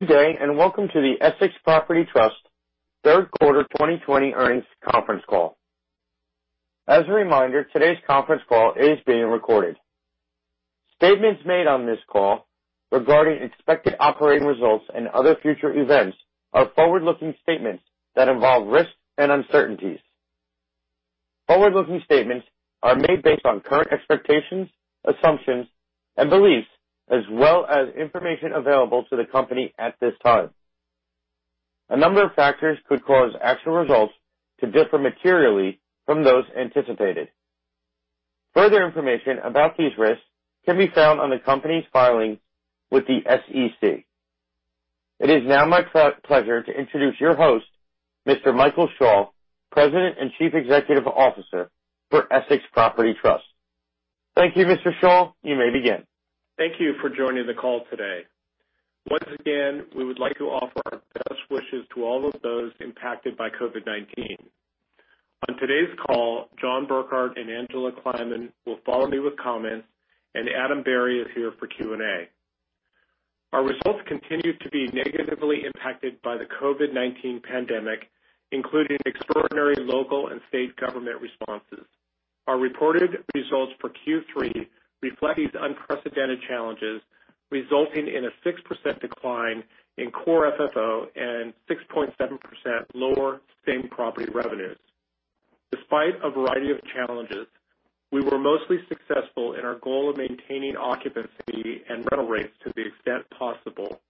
Good day. Welcome to the Essex Property Trust third quarter 2020 earnings conference call. As a reminder, today's conference call is being recorded. Statements made on this call regarding expected operating results and other future events are forward-looking statements that involve risks and uncertainties. Forward-looking statements are made based on current expectations, assumptions, and beliefs, as well as information available to the company at this time. A number of factors could cause actual results to differ materially from those anticipated. Further information about these risks can be found on the company's filings with the SEC. It is now my pleasure to introduce your host, Mr. Michael Schall, President and Chief Executive Officer for Essex Property Trust. Thank you, Mr. Schall. You may begin. Thank you for joining the call today. Once again, we would like to offer our best wishes to all of those impacted by COVID-19. On today's call, John Burkart and Angela Kleiman will follow me with comments, and Adam Berry is here for Q&A. Our results continue to be negatively impacted by the COVID-19 pandemic, including extraordinary local and state government responses. Our reported results for Q3 reflect these unprecedented challenges, resulting in a 6% decline in core FFO and 6.7% lower same-property revenues. Despite a variety of challenges, we were mostly successful in our goal of maintaining occupancy and rental rates to the extent possible,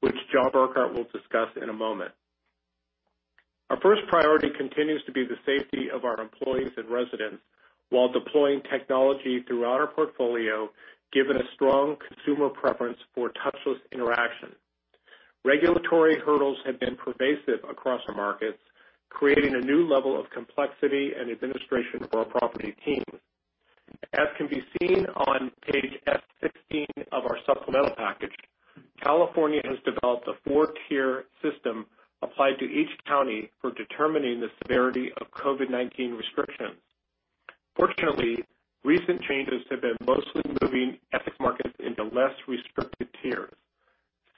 which John Burkart will discuss in a moment. Our first priority continues to be the safety of our employees and residents while deploying technology throughout our portfolio, given a strong consumer preference for touchless interaction. Regulatory hurdles have been pervasive across our markets, creating a new level of complexity and administration for our property teams. As can be seen on page F16 of our supplemental package, California has developed a four-tier system applied to each county for determining the severity of COVID-19 restrictions. Fortunately, recent changes have been mostly moving Essex markets into less restrictive tiers.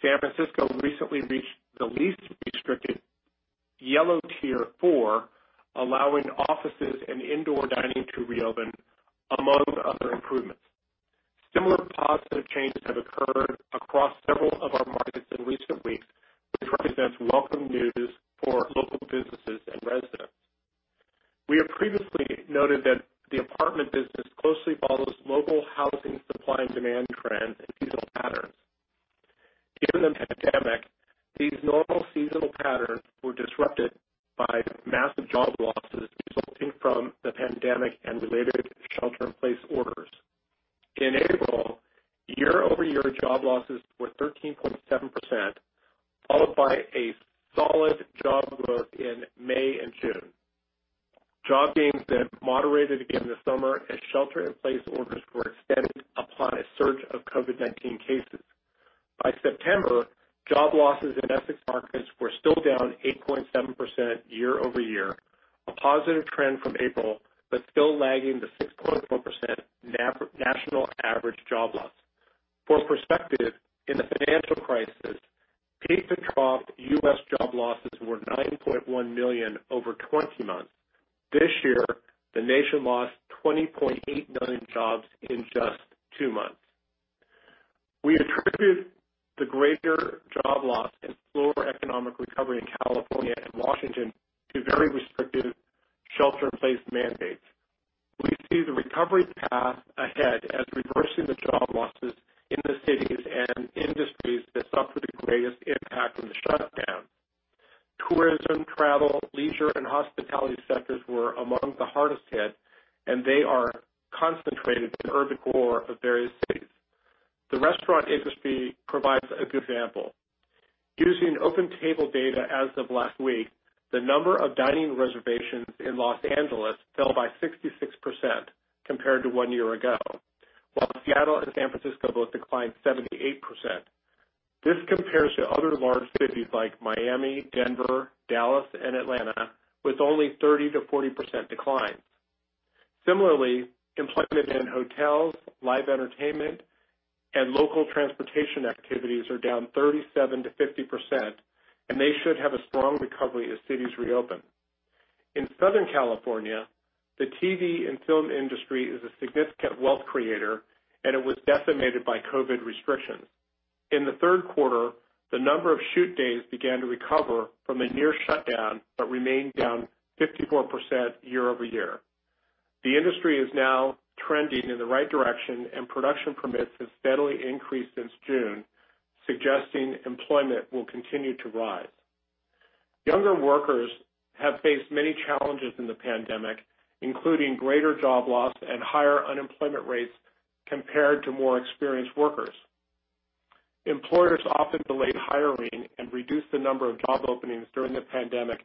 San Francisco recently reached the least restricted yellow tier four, allowing offices and indoor dining to reopen, among other improvements. Similar positive changes have occurred across several of our markets in recent weeks, which represents welcome news for local businesses and residents. We have previously noted that the apartment business closely follows local housing supply and demand trends and seasonal patterns. Given the pandemic, these normal seasonal patterns were disrupted by massive job losses resulting from the pandemic and related shelter-in-place orders. In April, year-over-year job losses were 13.7%, followed by a solid job growth in May and June. Job gains moderated again this summer as shelter-in-place orders were extended upon a surge of COVID-19 cases. By September, job losses in Essex markets were still down 8.7% year-over-year, a positive trend from April, still lagging the 6.4% national average job loss. For perspective, in the financial crisis, peak-to-trough U.S. job losses were 9.1 million over 20 months. This year, the nation lost 20.8 million jobs in just two months. We attribute the greater job loss and slower economic recovery in California and Washington to very restrictive shelter-in-place mandates. We see the recovery path ahead as reversing the job losses in the cities and industries that suffered the greatest impact from the shutdown. Tourism, travel, leisure, and hospitality sectors were among the hardest hit, and they are concentrated in the urban core of various cities. The restaurant industry provides a good example. Using OpenTable data as of last week, the number of dining reservations in Los Angeles fell by 66% compared to one year ago, while Seattle and San Francisco both declined 78%. This compares to other large cities like Miami, Denver, Dallas, and Atlanta, with only 30%-40% declines. Similarly, employment in hotels, live entertainment, and local transportation activities are down 37%-50%, and they should have a strong recovery as cities reopen. In Southern California, the TV and film industry is a significant wealth creator, and it was decimated by COVID restrictions. In the third quarter, the number of shoot days began to recover from a near shutdown but remained down 54% year-over-year. The industry is now trending in the right direction, and production permits have steadily increased since June, suggesting employment will continue to rise. Younger workers have faced many challenges in the pandemic, including greater job loss and higher unemployment rates compared to more experienced workers. Employers often delayed hiring and reduced the number of job openings during the pandemic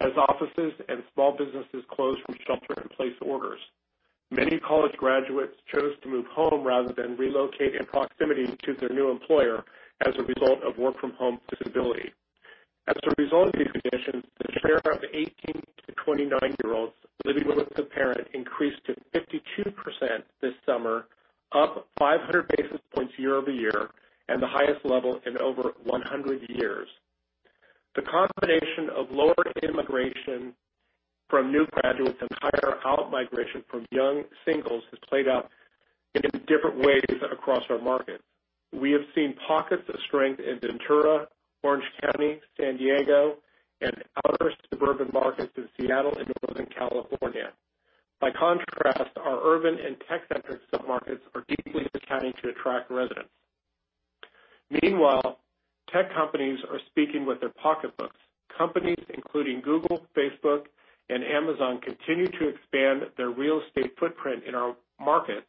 as offices and small businesses closed from shelter-in-place orders. Many college graduates chose to move home rather than relocate in proximity to their new employer as a result of work-from-home flexibility. As a result of these conditions, the share of 18-29-year-olds living with a parent increased to 52% this summer, up 500 basis points year-over-year, and the highest level in over 100 years. The combination of lower immigration from new graduates and higher outmigration from young singles has played out in different ways across our markets. We have seen pockets of strength in Ventura, Orange County, San Diego, and outer suburban markets in Seattle and Northern California. Our urban and tech-centric submarkets are deeply discounting to attract residents. Tech companies are speaking with their pocketbooks. Companies including Google, Facebook, and Amazon continue to expand their real estate footprint in our markets.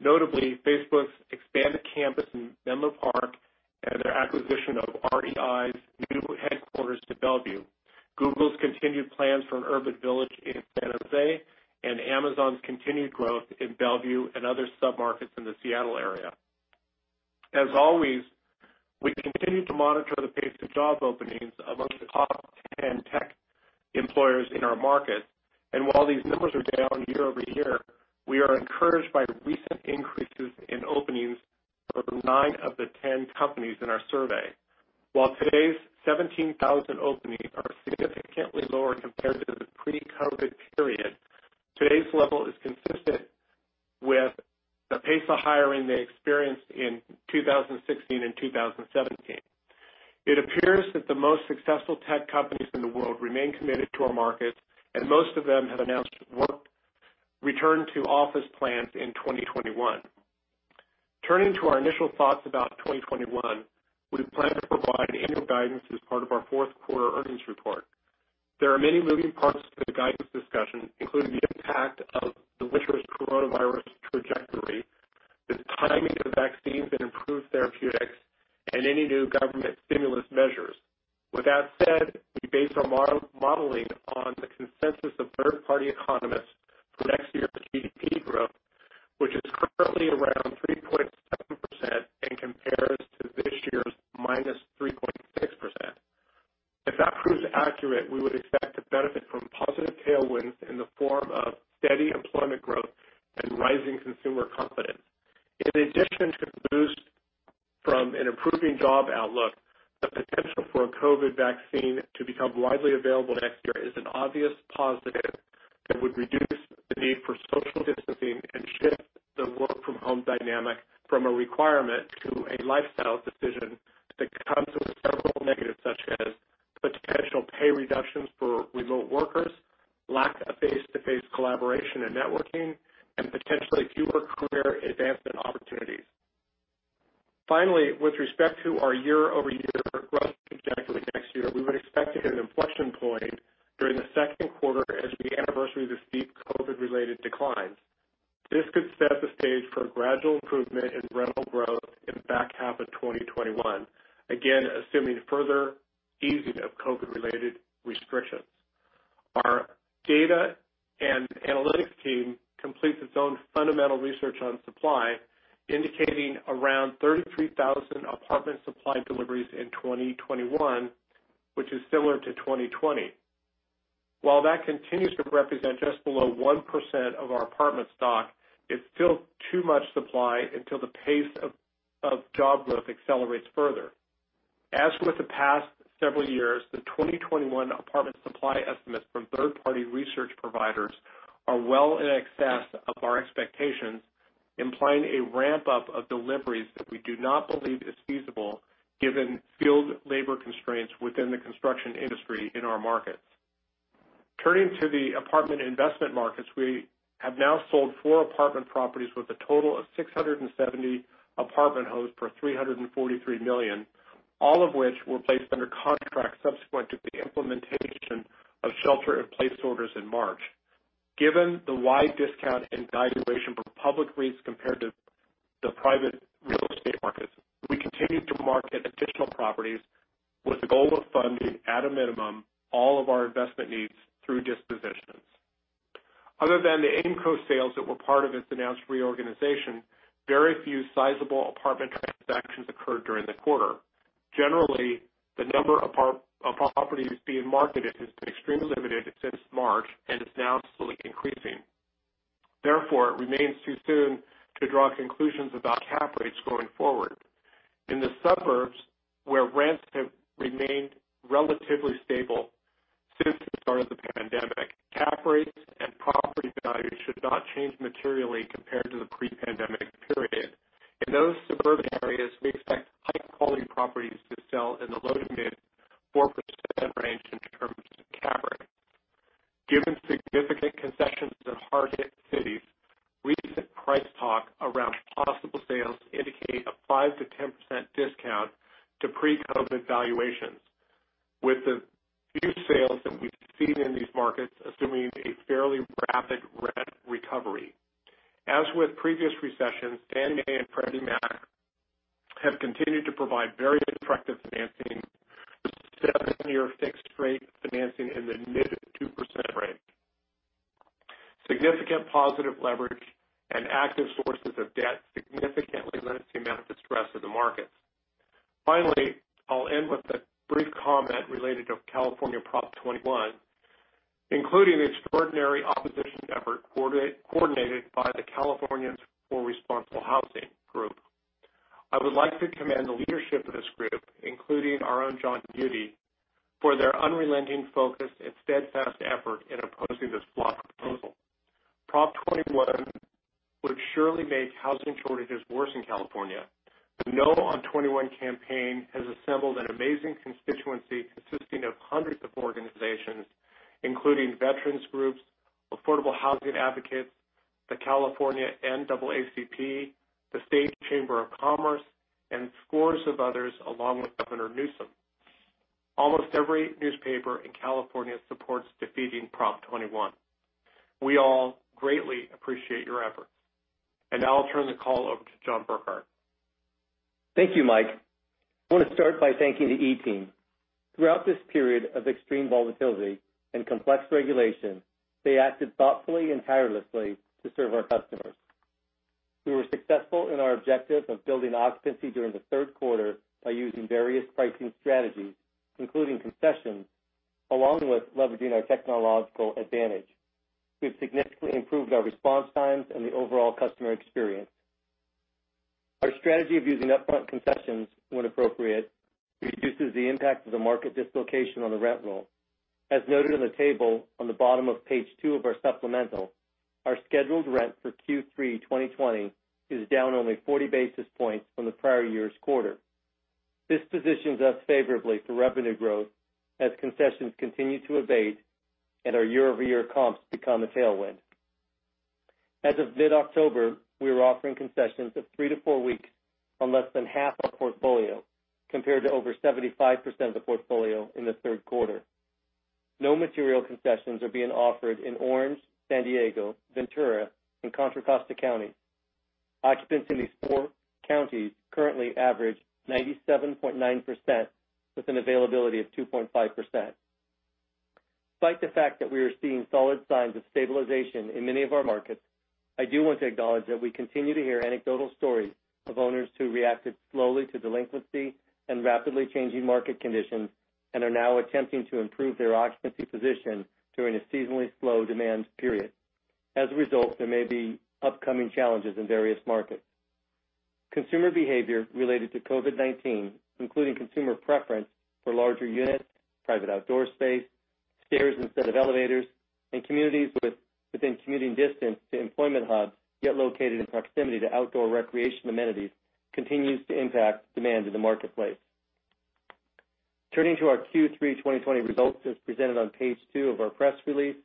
Notably, Facebook's expanded campus in Menlo Park and their acquisition of REI's new headquarters to Bellevue. Google's continued plans for an urban village in San Jose, and Amazon's continued growth in Bellevue and other submarkets in the Seattle area. As always, we continue to monitor the pace of job openings amongst the top 10 tech employers in our market. While these numbers are down year-over-year, we are encouraged by recent increases in openings for nine of the 10 companies in our survey. While today's 17,000 openings are significantly lower compared to the pre-COVID period, today's level is consistent with the pace of hiring they experienced in 2016 and 2017. It appears that the most successful tech companies in the world remain committed to our markets, and most of them have announced work return to office plans in 2021. Turning to our initial thoughts about 2021, we plan to provide annual guidance as part of our fourth quarter earnings report. There are many moving parts to the guidance discussion, including the impact of the vicious coronavirus trajectory, the timing of the vaccines and improved therapeutics, and any new government stimulus measures. With that said, we base our modeling on the consensus of third-party economists for next year's GDP growth, which is currently around 3.7% and compares to this year's -3.6%. If that proves accurate, we would expect to benefit from positive tailwinds in the form of steady employment growth and rising consumer confidence. In addition to the boost from an improving job outlook, the potential for a COVID vaccine to become widely available next year is an obvious positive that would reduce the need for social distancing and shift the work-from-home dynamic from a requirement to a lifestyle decision that Turning to the apartment investment markets, we have now sold four apartment properties with a total of 670 apartment homes for $343 million. All of which were placed under contract subsequent to the implementation of shelter in place orders in March. Given the wide discount in valuation for public REITs compared to the private real estate markets, we continue to market additional properties with the goal of funding, at a minimum, all of our investment needs through dispositions. Other than the Aimco sales that were part of its announced reorganization, very few sizable apartment transactions occurred during the quarter. Generally, the number of properties being marketed has been extremely limited since March and is now slowly increasing. It remains too soon to draw conclusions about cap rates going forward. In the suburbs, where rents have remained relatively stable Throughout this period of extreme volatility and complex regulation, they acted thoughtfully and tirelessly to serve our customers. We were successful in our objective of building occupancy during the third quarter by using various pricing strategies, including concessions, along with leveraging our technological advantage. We've significantly improved our response times and the overall customer experience. Our strategy of using upfront concessions when appropriate reduces the impact of the market dislocation on the rent roll. As noted on the table on the bottom of page two of our supplemental, our scheduled rent for Q3 2020 is down only 40 basis points from the prior year's quarter. This positions us favorably for revenue growth as concessions continue to abate and our year-over-year comps become a tailwind. As of mid-October, we were offering concessions of three to four weeks on less than half our portfolio, compared to over 75% of the portfolio in the third quarter. No material concessions are being offered in Orange, San Diego, Ventura, and Contra Costa County. Occupancy in these four counties currently average 97.9% with an availability of 2.5%. Despite the fact that we are seeing solid signs of stabilization in many of our markets, I do want to acknowledge that we continue to hear anecdotal stories of owners who reacted slowly to delinquency and rapidly changing market conditions and are now attempting to improve their occupancy position during a seasonally slow demand period. As a result, there may be upcoming challenges in various markets. Consumer behavior related to COVID-19, including consumer preference for larger units, private outdoor space, stairs instead of elevators, and communities within commuting distance to employment hubs, yet located in proximity to outdoor recreation amenities, continues to impact demand in the marketplace. Turning to our Q3 2020 results as presented on page two of our press release.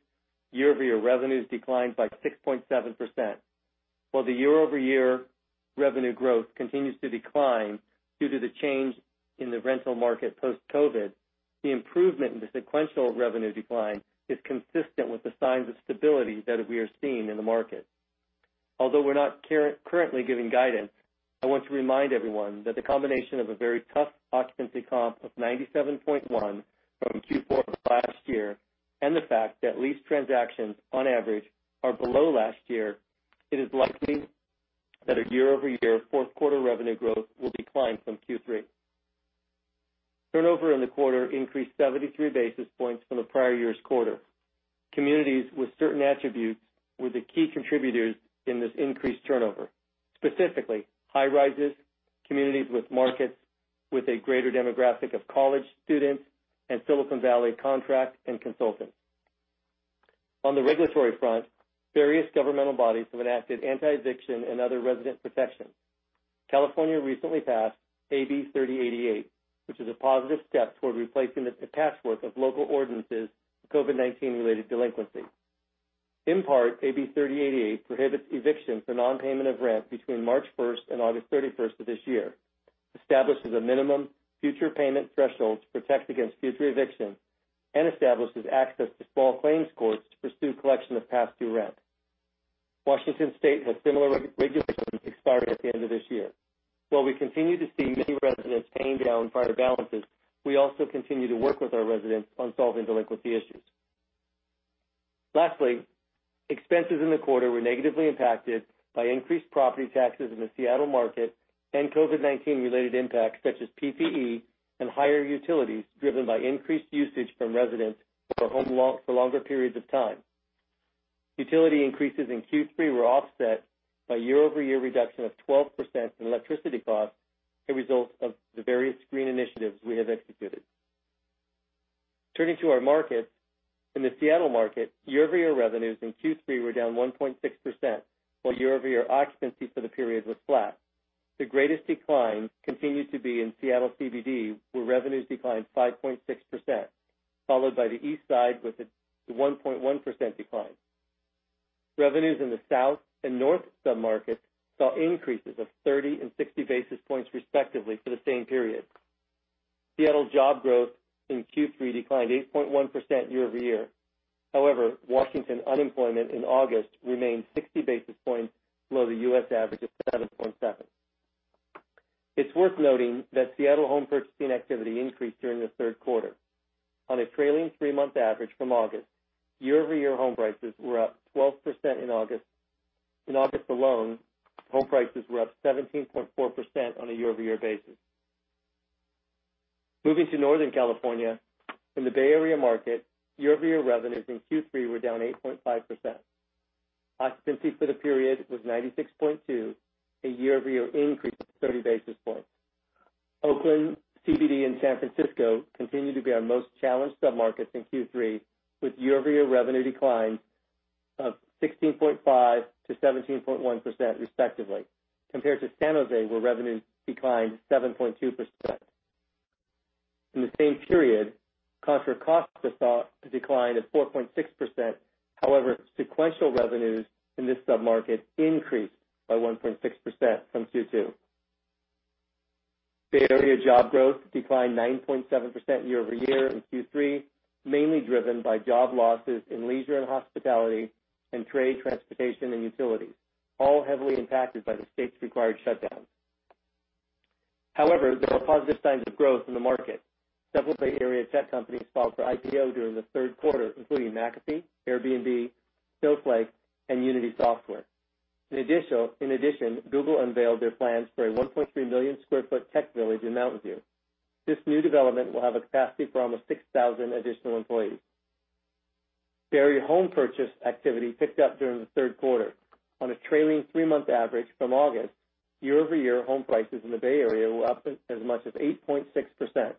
Year-over-year revenues declined by 6.7%. While the year-over-year revenue growth continues to decline due to the change in the rental market post-COVID, the improvement in the sequential revenue decline is consistent with the signs of stability that we are seeing in the market. Although we're not currently giving guidance, I want to remind everyone that the combination of a very tough occupancy comp of 97.1 from Q4 of last year, and the fact that lease transactions on average are below last year, it is likely that our year-over-year fourth quarter revenue growth will decline from Q3. Turnover in the quarter increased 73 basis points from the prior year's quarter. Communities with certain attributes were the key contributors in this increased turnover, specifically high rises, communities with markets with a greater demographic of college students, and Silicon Valley contract and consultants. On the regulatory front, various governmental bodies have enacted anti-eviction and other resident protections. California recently passed AB 3088, which is a positive step toward replacing the patchwork of local ordinances for COVID-19 related delinquency. In part, AB 3088 prohibits evictions for non-payment of rent between March 1st and August 31st of this year, establishes a minimum future payment threshold to protect against future eviction, and establishes access to small claims courts to pursue collection of past due rent. Washington State has similar regulations expiring at the end of this year. While we continue to see many residents paying down prior balances, we also continue to work with our residents on solving delinquency issues. Lastly, expenses in the quarter were negatively impacted by increased property taxes in the Seattle market and COVID-19 related impacts such as PPE and higher utilities, driven by increased usage from residents for longer periods of time. Utility increases in Q3 were offset by year-over-year reduction of 12% in electricity costs, a result of the various green initiatives we have executed. Turning to our markets. In the Seattle market, year-over-year revenues in Q3 were down 1.6%, while year-over-year occupancy for the period was flat. The greatest decline continued to be in Seattle CBD, where revenues declined 5.6%, followed by the East Side with a 1.1% decline. Revenues in the South and North sub-markets saw increases of 30 and 60 basis points respectively for the same period. Seattle job growth in Q3 declined 8.1% year-over-year. Washington unemployment in August remained 60 basis points below the U.S. average of 7.7%. It's worth noting that Seattle home purchasing activity increased during the third quarter. On a trailing three-month average from August, year-over-year home prices were up 12% in August. In August alone, home prices were up 17.4% on a year-over-year basis. Moving to Northern California, in the Bay Area market, year-over-year revenues in Q3 were down 8.5%. Occupancy for the period was 96.2, a year-over-year increase of 30 basis points. Oakland CBD and San Francisco continue to be our most challenged sub-markets in Q3, with year-over-year revenue declines of 16.5%-17.1%, respectively, compared to San Jose, where revenues declined 7.2%. In the same period, Contra Costa saw a decline of 4.6%. However, sequential revenues in this sub-market increased by 1.6% from Q2. Bay Area job growth declined 9.7% year-over-year in Q3, mainly driven by job losses in leisure and hospitality, and trade, transportation, and utilities, all heavily impacted by the state's required shutdown. However, there are positive signs of growth in the market. Several Bay Area tech companies filed for IPO during the third quarter, including McAfee, Airbnb, Snowflake, and Unity Software. In addition, Google unveiled their plans for a 1.3 million sq ft tech village in Mountain View. This new development will have a capacity for almost 6,000 additional employees. Bay Area home purchase activity picked up during the third quarter. On a trailing three-month average from August, year-over-year home prices in the Bay Area were up as much as 8.6%.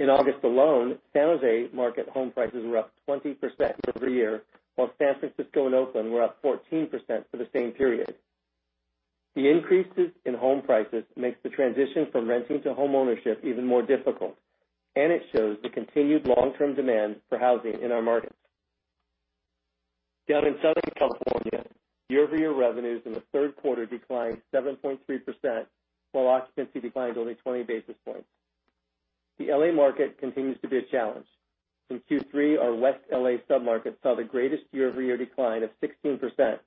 In August alone, San Jose market home prices were up 20% year-over-year, while San Francisco and Oakland were up 14% for the same period. The increases in home prices makes the transition from renting to home ownership even more difficult, and it shows the continued long-term demand for housing in our markets. Down in Southern California, year-over-year revenues in the third quarter declined 7.3%, while occupancy declined only 20 basis points. The L.A. market continues to be a challenge. In Q3, our West L.A. sub-market saw the greatest year-over-year decline of 16%,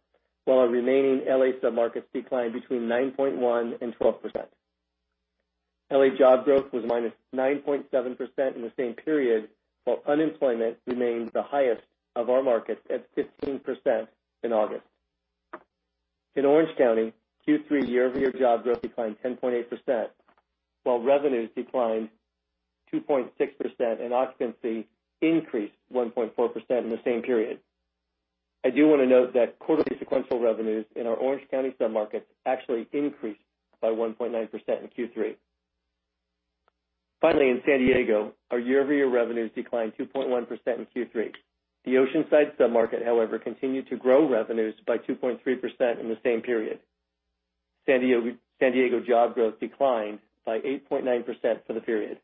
while our remaining L.A. sub-markets declined between 9.1% and 12%. L.A. job growth was -9.7% in the same period, while unemployment remains the highest of our markets at 15% in August. In Orange County, Q3 year-over-year job growth declined 10.8%, while revenues declined 2.6% and occupancy increased 1.4% in the same period. I do want to note that quarterly sequential revenues in our Orange County sub-markets actually increased by 1.9% in Q3. Finally, in San Diego, our year-over-year revenues declined 2.1% in Q3. The Oceanside sub-market, however, continued to grow revenues by 2.3% in the same period. San Diego job growth declined by 8.9% for the period.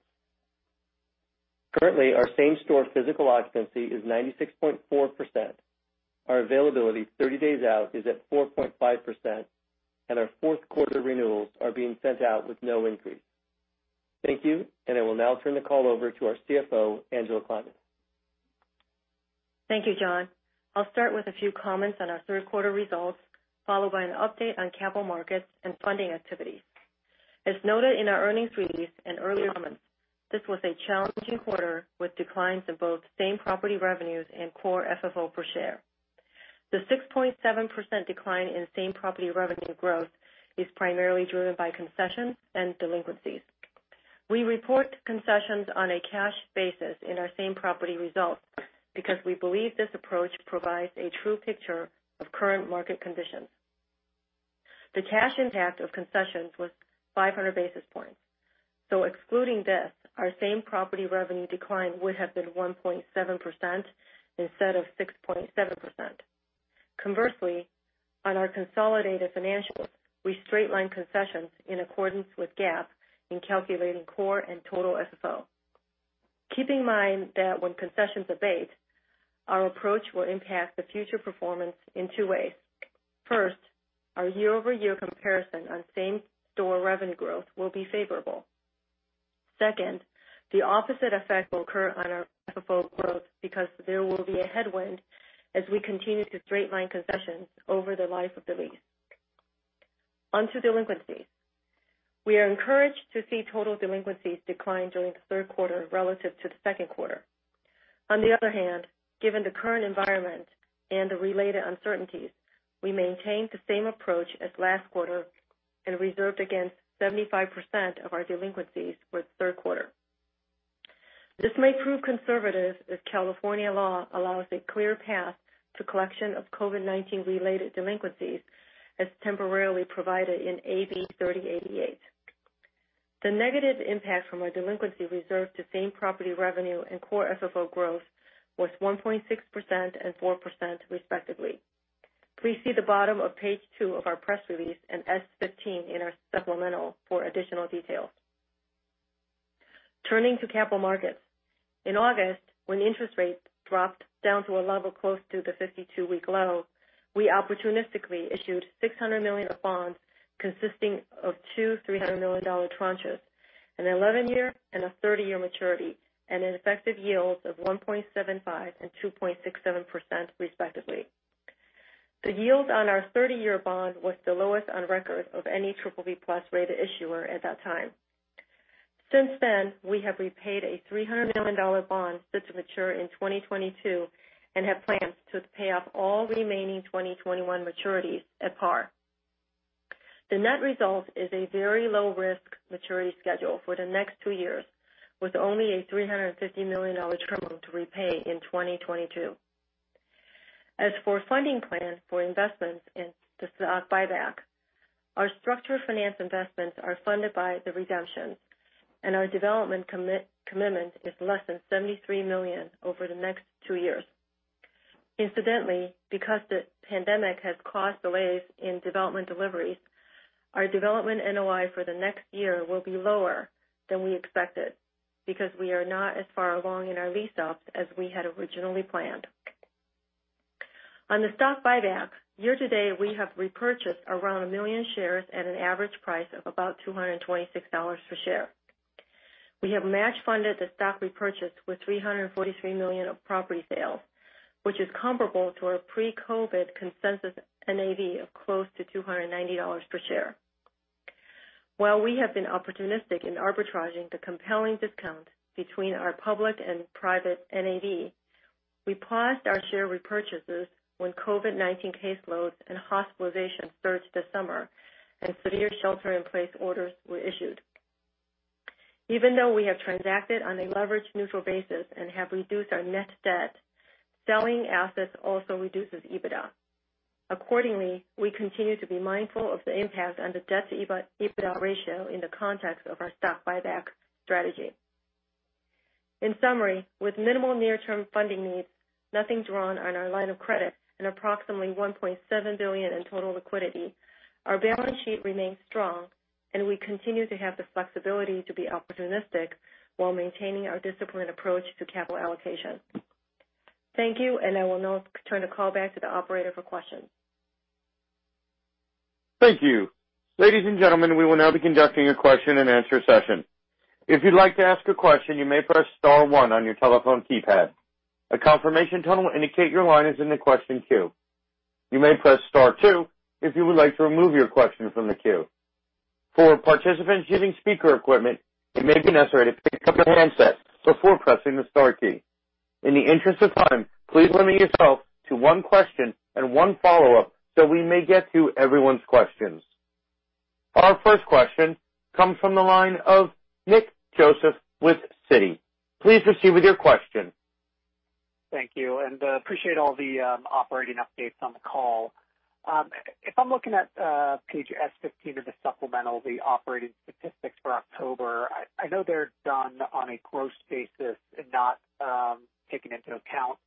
Currently, our same-store physical occupancy is 96.4%. Our availability 30 days out is at 4.5%, and our fourth quarter renewals are being sent out with no increase. Thank you, and I will now turn the call over to our CFO, Angela Kleiman. Thank you, John. I'll start with a few comments on our third quarter results, followed by an update on capital markets and funding activities. As noted in our earnings release and earlier comments, this was a challenging quarter, with declines in both same-property revenues and core FFO per share. The 6.7% decline in same-property revenue growth is primarily driven by concessions and delinquencies. We report concessions on a cash basis in our same-property results because we believe this approach provides a true picture of current market conditions. The cash impact of concessions was 500 basis points. Excluding this, our same-property revenue decline would have been 1.7% instead of 6.7%. Conversely, on our consolidated financials, we straight-line concessions in accordance with GAAP in calculating core and total FFO. Keep in mind that when concessions abate, our approach will impact the future performance in two ways. First, our year-over-year comparison on same-store revenue growth will be favorable. Second, the opposite effect will occur on our FFO growth because there will be a headwind as we continue to straight-line concessions over the life of the lease. On to delinquencies. We are encouraged to see total delinquencies decline during the third quarter relative to the second quarter. On the other hand, given the current environment and the related uncertainties, we maintained the same approach as last quarter and reserved against 75% of our delinquencies for the third quarter. This may prove conservative as California law allows a clear path to collection of COVID-19 related delinquencies as temporarily provided in AB 3088. The negative impact from our delinquency reserve to same-property revenue and core FFO growth was 1.6% and 4% respectively. Please see the bottom of page two of our press release and S-15 in our supplemental for additional details. Turning to capital markets. In August, when interest rates dropped down to a level close to the 52-week low, we opportunistically issued $600 million of bonds consisting of two $300 million tranches, an 11-year and a 30-year maturity, and an effective yield of 1.75% and 2.67% respectively. The yield on our 30-year bond was the lowest on record of any BBB+ rated issuer at that time. Since then, we have repaid a $300 million bond set to mature in 2022 and have plans to pay off all remaining 2021 maturities at par. The net result is a very low-risk maturity schedule for the next two years, with only a $350 million tranche to repay in 2022. As for funding plans for investments in the stock buyback, our structured finance investments are funded by the redemptions, and our development commitment is less than $73 million over the next two years. Incidentally, because the pandemic has caused delays in development deliveries, our development NOI for the next year will be lower than we expected because we are not as far along in our lease-ups as we had originally planned. On the stock buyback, year to date, we have repurchased around 1 million shares at an average price of about $226 per share. We have match funded the stock repurchase with $343 million of property sales, which is comparable to our pre-COVID-19 consensus NAV of close to $290 per share. While we have been opportunistic in arbitraging the compelling discount between our public and private NAV, we paused our share repurchases when COVID-19 caseloads and hospitalizations surged this summer and severe shelter-in-place orders were issued. Even though we have transacted on a leverage-neutral basis and have reduced our net debt, selling assets also reduces EBITDA. Accordingly, we continue to be mindful of the impact on the debt-to-EBITDA ratio in the context of our stock buyback strategy. In summary, with minimal near-term funding needs, nothing drawn on our line of credit, and approximately $1.7 billion in total liquidity, our balance sheet remains strong, and we continue to have the flexibility to be opportunistic while maintaining our disciplined approach to capital allocation. Thank you, and I will now turn the call back to the operator for questions. Thank you. Our first question comes from the line of Nick Joseph with Citi. Please proceed with your question. Thank you and appreciate all the operating updates on the call. If I'm looking at page S15 of the supplemental, the operating statistics for October, I know they're done on a gross basis and not taking into account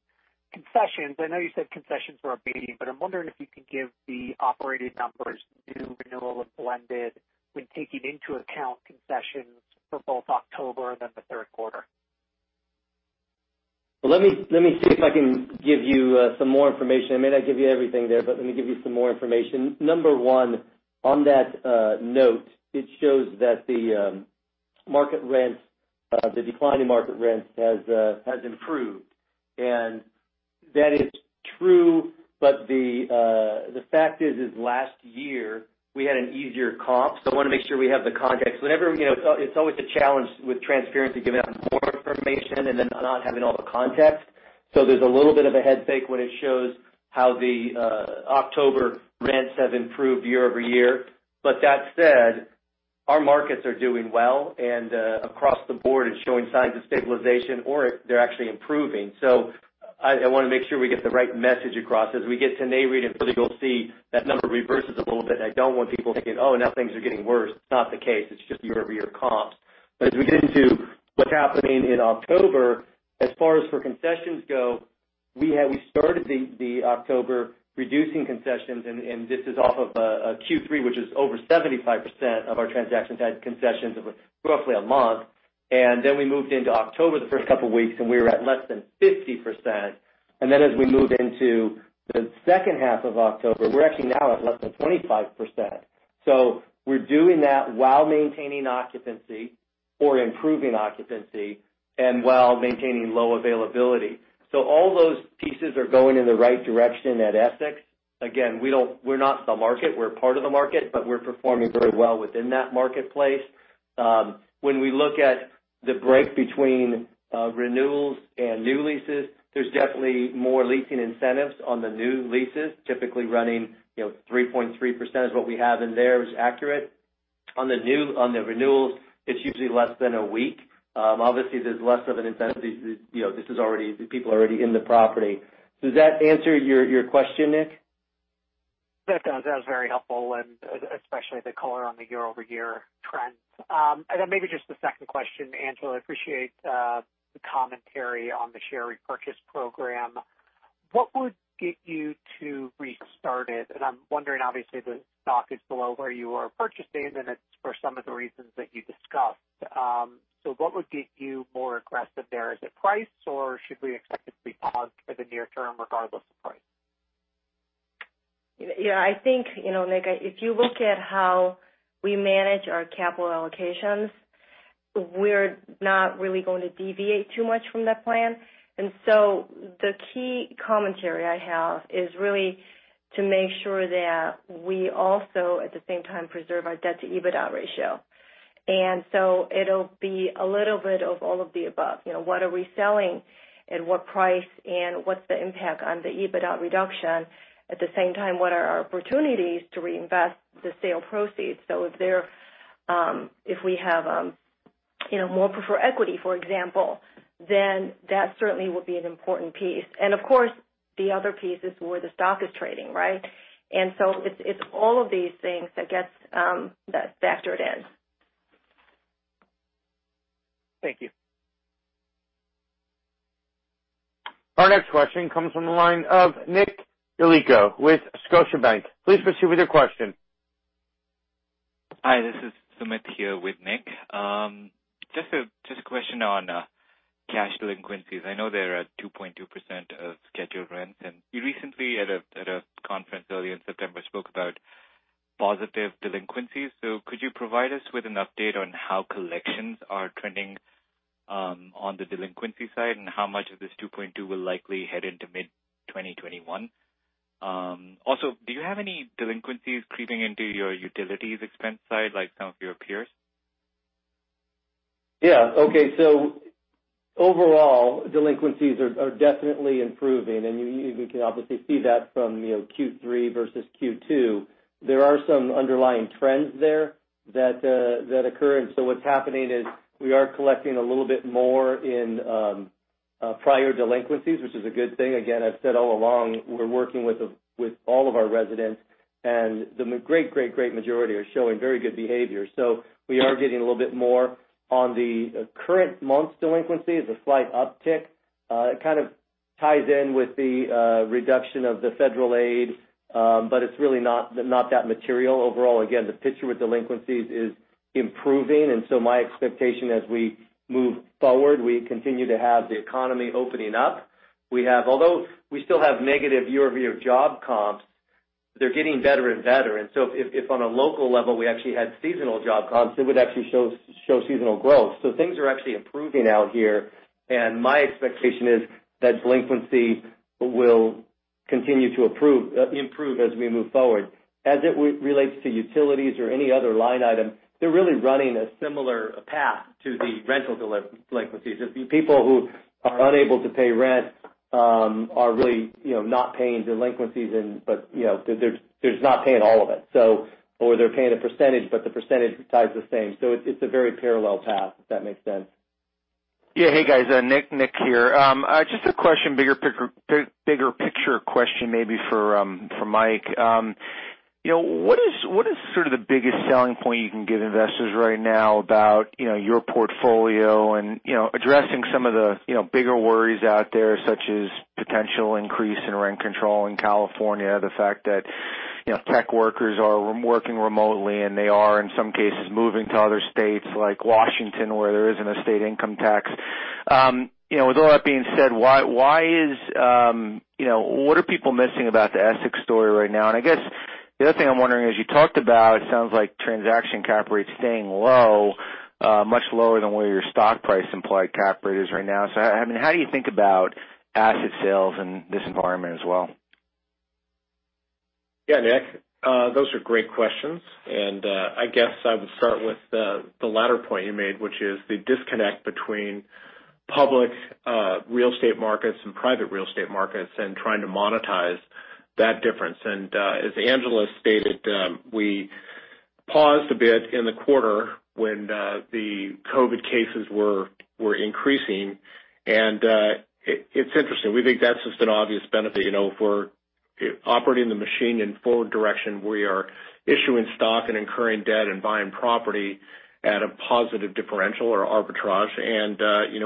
concessions. I know you said concessions were abating. I'm wondering if you could give the operating numbers, new, renewal, and blended, when taking into account concessions for both October and then the third quarter. Well, let me see if I can give you some more information. I may not give you everything there, but let me give you some more information. Number one, on that note, it shows that the declining market rents has improved. That is true, but the fact is last year we had an easier comp. I want to make sure we have the context. It's always a challenge with transparency, giving out more information and then not having all the context. There's a little bit of a head fake when it shows how the October rents have improved year-over-year. That said, our markets are doing well and across the board is showing signs of stabilization, or they're actually improving. I want to make sure we get the right message across. As we get to NAREIT, you'll see that number reverses a little bit, and I don't want people thinking, "Oh, now things are getting worse." It's not the case. It's just year-over-year comps. As we get into what's happening in October, as far as for concessions go, we started the October reducing concessions, and this is off of Q3, which is over 75% of our transactions had concessions of roughly a month. Then we moved into October the first couple of weeks, and we were at less than 50%. Then as we moved into the second half of October, we're actually now at less than 25%. We're doing that while maintaining occupancy or improving occupancy and while maintaining low availability. All those pieces are going in the right direction at Essex. Again, we're not the market. We're part of the market, but we're performing very well within that marketplace. When we look at the break between renewals and new leases, there's definitely more leasing incentives on the new leases, typically running 3.3% is what we have in there, is accurate. On the renewals, it's usually less than a week. Obviously, there's less of an incentive. The people are already in the property. Does that answer your question, Nick? That does. That was very helpful, especially the color on the year-over-year trends. Maybe just a second question. Angela, I appreciate the commentary on the share repurchase program. What would get you to restart it? I'm wondering, obviously, the stock is below where you are purchasing, and it's for some of the reasons that you discussed. What would get you more aggressive there? Is it price, or should we expect it to be paused in the near term regardless of price? Yeah. I think, Nick, if you look at how we manage our capital allocations. We're not really going to deviate too much from that plan. The key commentary I have is really to make sure that we also, at the same time, preserve our debt to EBITDA ratio. It'll be a little bit of all of the above. What are we selling, at what price, and what's the impact on the EBITDA reduction? At the same time, what are our opportunities to reinvest the sale proceeds? If we have more preferred equity, for example, then that certainly would be an important piece. Of course, the other piece is where the stock is trading, right? It's all of these things that get factored in. Thank you. Our next question comes from the line of Nick Yulico with Scotiabank. Please proceed with your question. Hi, this is Sumit here with Nick. Just a question on cash delinquencies. I know they're at 2.2% of scheduled rents, and you recently, at a conference earlier in September, spoke about positive delinquencies. Could you provide us with an update on how collections are trending on the delinquency side, and how much of this 2.2% will likely head into mid-2021? Also, do you have any delinquencies creeping into your utilities expense side like some of your peers? Yeah. Okay. Overall, delinquencies are definitely improving, and you can obviously see that from Q3 versus Q2. There are some underlying trends there that occur. What's happening is we are collecting a little bit more in prior delinquencies, which is a good thing. Again, I've said all along, we're working with all of our residents, and the great majority are showing very good behavior. We are getting a little bit more on the current month's delinquency as a slight uptick. It kind of ties in with the reduction of the federal aid, but it's really not that material overall. Again, the picture with delinquencies is improving, and so my expectation as we move forward, we continue to have the economy opening up. Although we still have negative year-over-year job comps, they're getting better and better. If on a local level, we actually had seasonal job comps, it would actually show seasonal growth. Things are actually improving out here, and my expectation is that delinquency will continue to improve as we move forward. As it relates to utilities or any other line item, they're really running a similar path to the rental delinquencies. The people who are unable to pay rent are really not paying delinquencies, but they're just not paying all of it. They're paying a percentage, but the percentage size is the same. It's a very parallel path, if that makes sense. Yeah. Hey, guys. Nick here. Just a question, bigger picture question maybe for Mike. What is sort of the biggest selling point you can give investors right now about your portfolio and addressing some of the bigger worries out there, such as potential increase in rent control in California, the fact that tech workers are working remotely, and they are, in some cases, moving to other states like Washington, where there isn't a state income tax. With all that being said, what are people missing about the Essex story right now? I guess the other thing I'm wondering is, you talked about, it sounds like transaction cap rates staying low, much lower than where your stock price implied cap rate is right now. How do you think about asset sales in this environment as well? Yeah, Nick. Those are great questions. I guess I would start with the latter point you made, which is the disconnect between public real estate markets and private real estate markets, and trying to monetize that difference. As Angela stated, we paused a bit in the quarter when the COVID cases were increasing, and it's interesting. We think that's just an obvious benefit. If we're operating the machine in forward direction, we are issuing stock and incurring debt and buying property at a positive differential or arbitrage.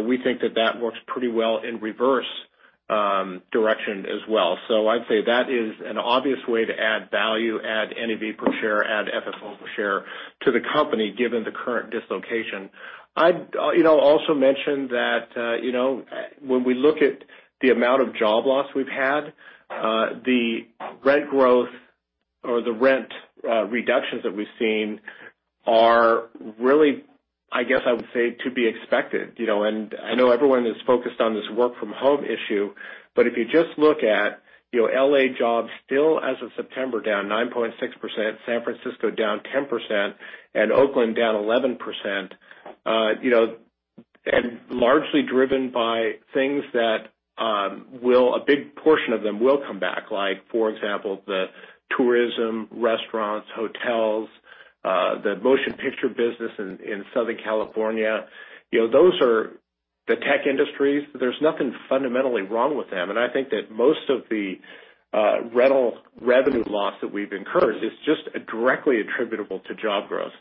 We think that works pretty well in reverse direction as well. I'd say that is an obvious way to add value, add NAV per share, add FFO per share to the company given the current dislocation. I'd also mention that when we look at the amount of job loss we've had, the rent growth or the rent reductions that we've seen are really, I guess I would say, to be expected. I know everyone is focused on this work-from-home issue, but if you just look at L.A. jobs still as of September, down 9.6%, San Francisco down 10%, and Oakland down 11%. Largely driven by things that a big portion of them will come back. For example, the tourism, restaurants, hotels, the motion picture business in Southern California. Those are the tech industries. There's nothing fundamentally wrong with them. I think that most of the rental revenue loss that we've incurred is just directly attributable to job growth.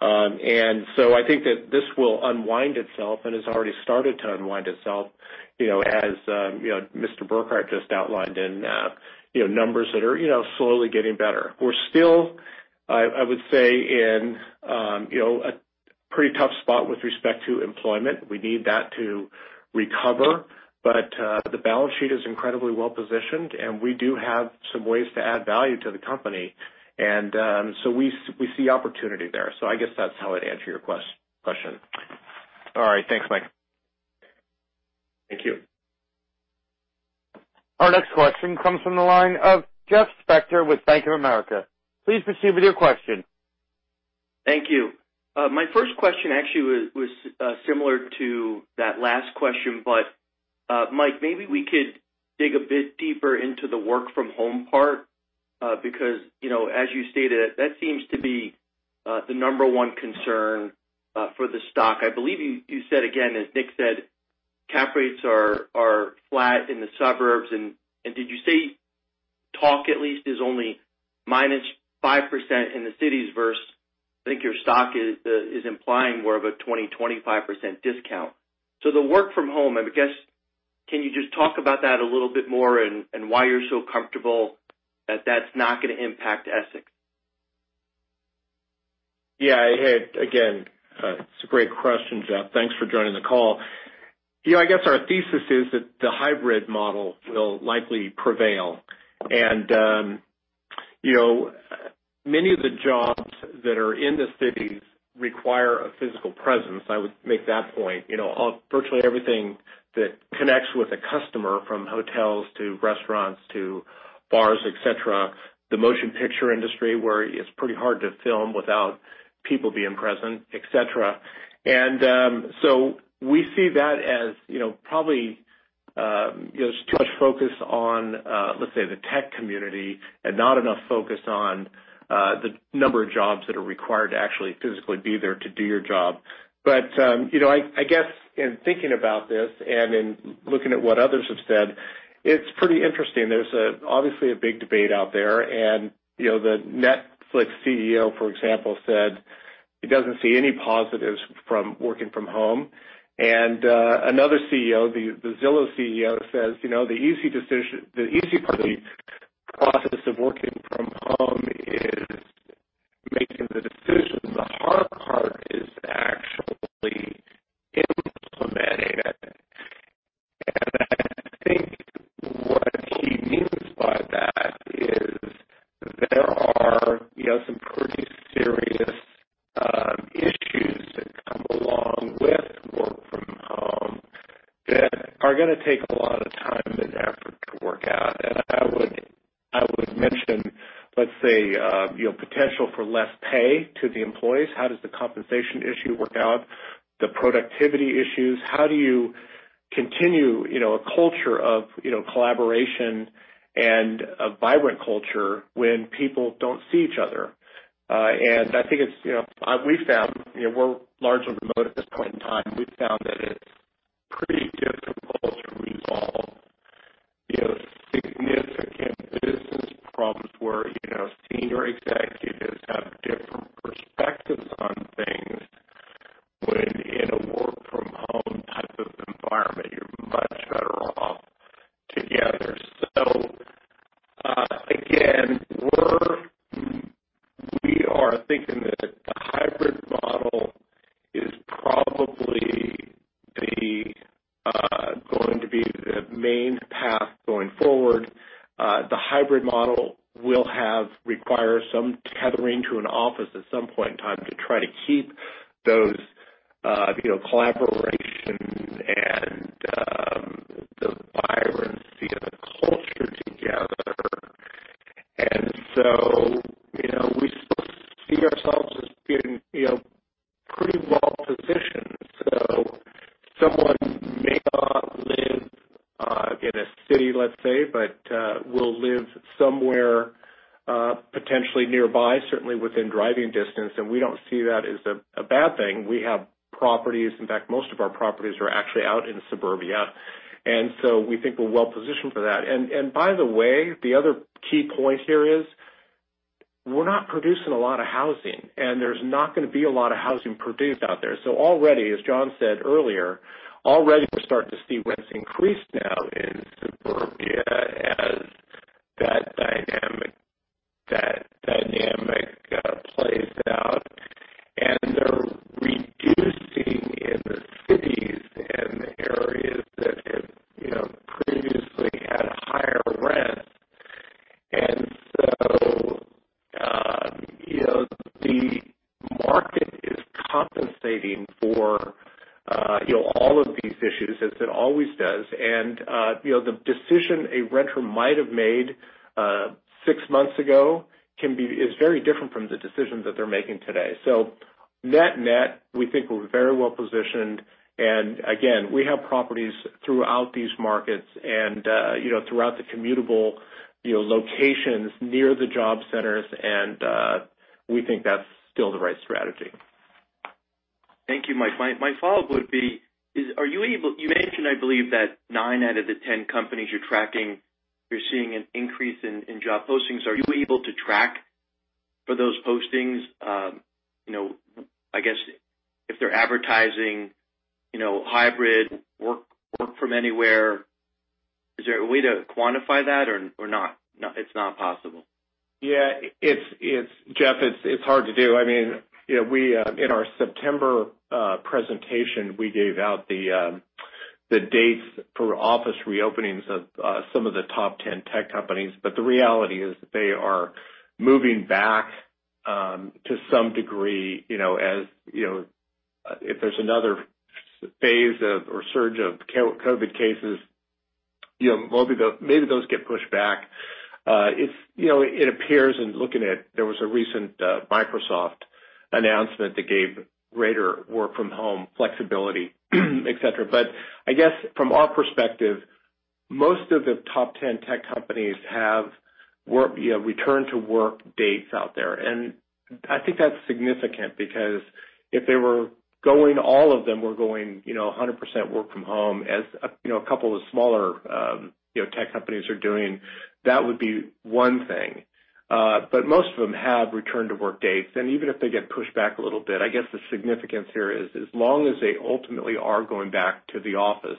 I think that this will unwind itself, and it's already started to unwind itself as Mr. Burkart just outlined in numbers that are slowly getting better. We're still, I would say, in a pretty tough spot with respect to employment. We need that to recover. The balance sheet is incredibly well-positioned, and we do have some ways to add value to the company. We see opportunity there. I guess that's how I'd answer your question. All right. Thanks, Mike. Our next question comes from the line of Jeff Spector with Bank of America. Please proceed with your question. Thank you. My first question actually was similar to that last question. Mike, maybe we could dig a bit deeper into the work from home part. As you stated, that seems to be the number one concern for the stock. I believe you said again, as Nick said, cap rates are flat in the suburbs. Did you say loss to lease is only -5% in the cities versus, I think your stock is implying more of a 20%-25% discount. The work from home, I guess, can you just talk about that a little bit more and why you're so comfortable that that's not going to impact Essex? Yeah. Hey, again, it's a great question, Jeff. Thanks for joining the call. I guess our thesis is that the hybrid model will likely prevail. Many of the jobs that are in the cities require a physical presence. I would make that point. Virtually everything that connects with a customer, from hotels to restaurants to bars, et cetera, the motion picture industry, where it's pretty hard to film without people being present, et cetera. We see that as probably there's too much focus on, let's say, the tech community, and not enough focus on the number of jobs that are required to actually physically be there to do your job. I guess in thinking about this and in looking at what others have said, it's pretty interesting. There's obviously a big debate out there. The Netflix CEO, for example, said he doesn't see any positives from working from home. Another CEO, the Zillow CEO, says the easy part of the process of working from home is making the decision. The hard part is actually implementing it. I think what he means by that is there are some pretty serious issues that come along with work from home that are going to take a lot of time and effort to work out. I would mention, let's say potential for less pay to the employees. How does the compensation issue work out? The productivity issues. How do you continue a culture of collaboration and a vibrant culture when people don't see each other? I think we've found, we're largely remote at this point in time. We've found that it's pretty difficult to resolve significant business problems where senior executives have different perspectives on things when in a work from home type of environment. You're much better off together. Again, we are thinking that the hybrid model is probably going to be the main path going forward. The hybrid model will require some tethering to an office at some point in time to try to keep those collaboration and the vibrancy and the culture together. We still see ourselves as being pretty well positioned. Someone may not live in a city, let's say, but will live somewhere potentially nearby, certainly within driving distance. We don't see that as a bad thing. We have properties. In fact, most of our properties are actually out in suburbia, we think we're well positioned for that. By the way, the other key point here is we're not producing a lot of housing, and there's not going to be a lot of housing produced out there. Already, as John said earlier, already we're starting to see rents increase now in suburbia as that dynamic plays out. They're reducing in the cities and the areas that have previously had higher rents. The market is compensating for all of these issues as it always does. The decision a renter might have made six months ago is very different from the decision that they're making today. Net-net, we think we're very well positioned. Again, we have properties throughout these markets and throughout the commutable locations near the job centers, and we think that's still the right strategy. Thank you, Mike. My follow-up would be, you mentioned I believe that nine out of the 10 companies you're tracking, you're seeing an increase in job postings. Are you able to track for those postings? I guess if they're advertising hybrid work from anywhere, is there a way to quantify that or not? It's not possible. Yeah. Jeff, it's hard to do. In our September presentation, we gave out the dates for office reopenings of some of the top 10 tech companies. The reality is that they are moving back to some degree. If there's another phase of or surge of COVID cases, maybe those get pushed back. It appears in looking at, there was a recent Microsoft announcement that gave greater work from home flexibility, et cetera. I guess from our perspective, most of the top 10 tech companies have return to work dates out there. I think that's significant because if all of them were going 100% work from home, as a couple of smaller tech companies are doing, that would be one thing. Most of them have return to work dates. Even if they get pushed back a little bit, I guess the significance here is, as long as they ultimately are going back to the office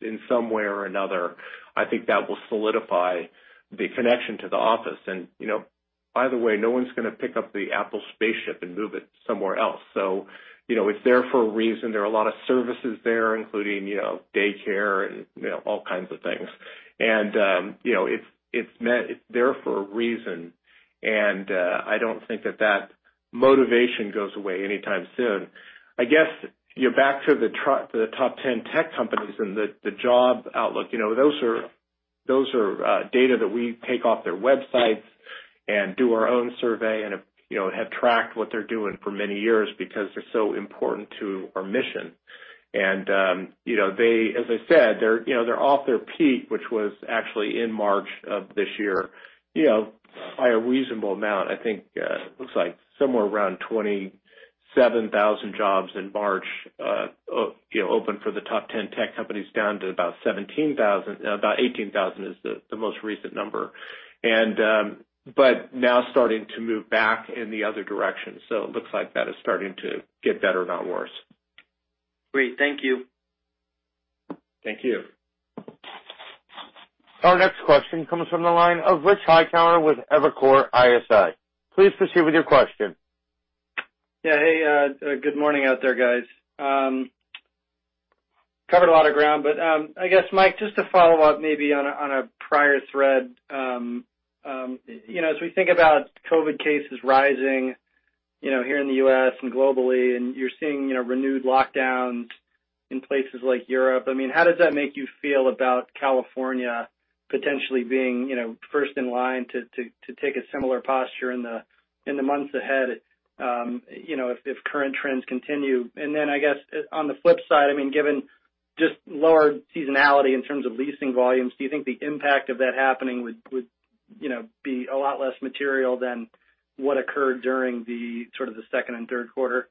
in some way or another, I think that will solidify the connection to the office. By the way, no one's going to pick up the Apple spaceship and move it somewhere else. It's there for a reason. There are a lot of services there, including daycare and all kinds of things. It's there for a reason, and I don't think that motivation goes away anytime soon. I guess, back to the top 10 tech companies and the job outlook. Those are data that we take off their websites and do our own survey and have tracked what they're doing for many years because they're so important to our mission. As I said, they're off their peak, which was actually in March of this year, by a reasonable amount. I think it looks like somewhere around 27,000 jobs in March opened for the top 10 tech companies down to about 18,000 is the most recent number. Now starting to move back in the other direction. It looks like that is starting to get better, not worse. Great. Thank you. Thank you. Our next question comes from the line of Rich Hightower with Evercore ISI. Please proceed with your question. Yeah. Hey, good morning out there, guys. Covered a lot of ground, but, I guess, Mike, just to follow up maybe on a prior thread. As we think about COVID cases rising here in the U.S. and globally, and you're seeing renewed lockdowns in places like Europe. How does that make you feel about California potentially being first in line to take a similar posture in the months ahead if current trends continue? I guess, on the flip side, given just lower seasonality in terms of leasing volumes, do you think the impact of that happening would be a lot less material than what occurred during the sort of the second and third quarter?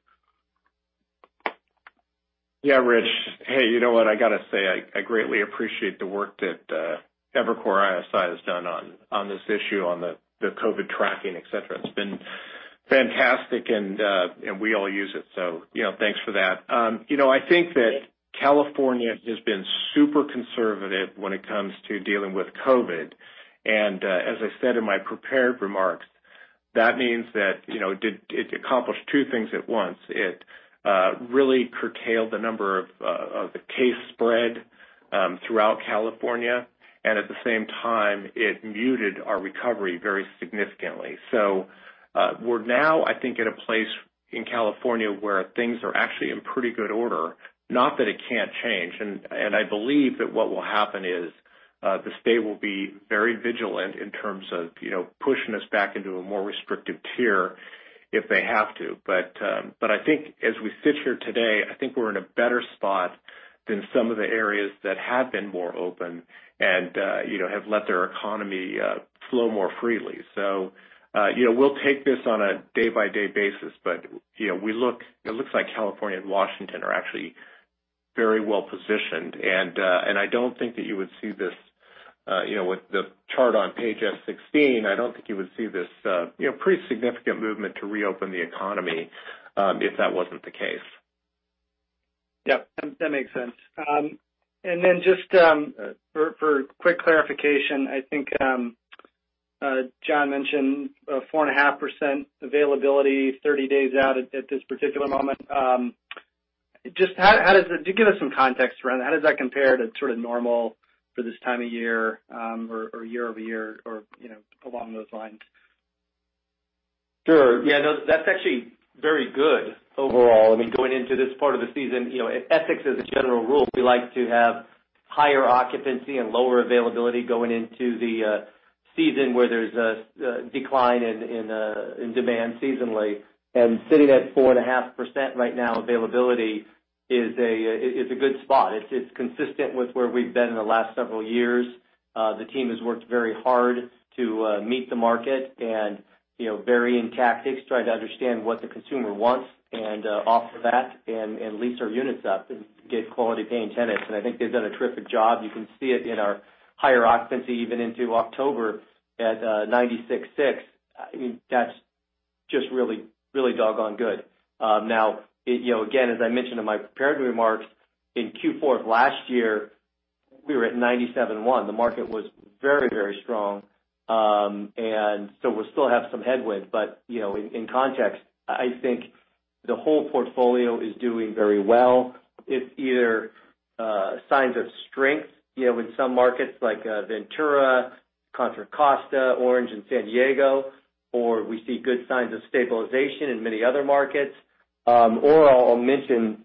Yeah, Rich. Hey, you know what? I got to say, I greatly appreciate the work that Evercore ISI has done on this issue, on the COVID tracking, et cetera. It's been fantastic, and we all use it. Thanks for that. I think that California has been super conservative when it comes to dealing with COVID. As I said in my prepared remarks, that means that it accomplished two things at once. It really curtailed the number of the case spread throughout California, and at the same time, it muted our recovery very significantly. We're now, I think, at a place in California where things are actually in pretty good order. Not that it can't change. I believe that what will happen is, the state will be very vigilant in terms of pushing us back into a more restrictive tier if they have to. I think as we sit here today, I think we're in a better spot than some of the areas that have been more open and have let their economy flow more freely. We'll take this on a day-by-day basis. It looks like California and Washington are actually very well positioned. I don't think that you would see this with the chart on page S-16. I don't think you would see this pretty significant movement to reopen the economy, if that wasn't the case. Yep. That makes sense. Just for quick clarification, I think John mentioned 4.5% availability 30 days out at this particular moment. Give us some context around that. How does that compare to sort of normal for this time of year, or year-over-year or along those lines? Sure. Yeah. That's actually very good overall. Going into this part of the season, at Essex, as a general rule, we like to have higher occupancy and lower availability going into the season where there's a decline in demand seasonally. Sitting at 4.5% right now availability is a good spot. It's consistent with where we've been in the last several years. The team has worked very hard to meet the market and varying tactics, trying to understand what the consumer wants and offer that and lease our units up and get quality paying tenants. I think they've done a terrific job. You can see it in our higher occupancy even into October at 96.6%. That's just really doggone good. Again, as I mentioned in my prepared remarks, in Q4 of last year, we were at 97.1%. The market was very strong. We still have some headwind. In context, I think the whole portfolio is doing very well. It's either signs of strength in some markets like Ventura, Contra Costa, Orange, and San Diego, or we see good signs of stabilization in many other markets. I'll mention,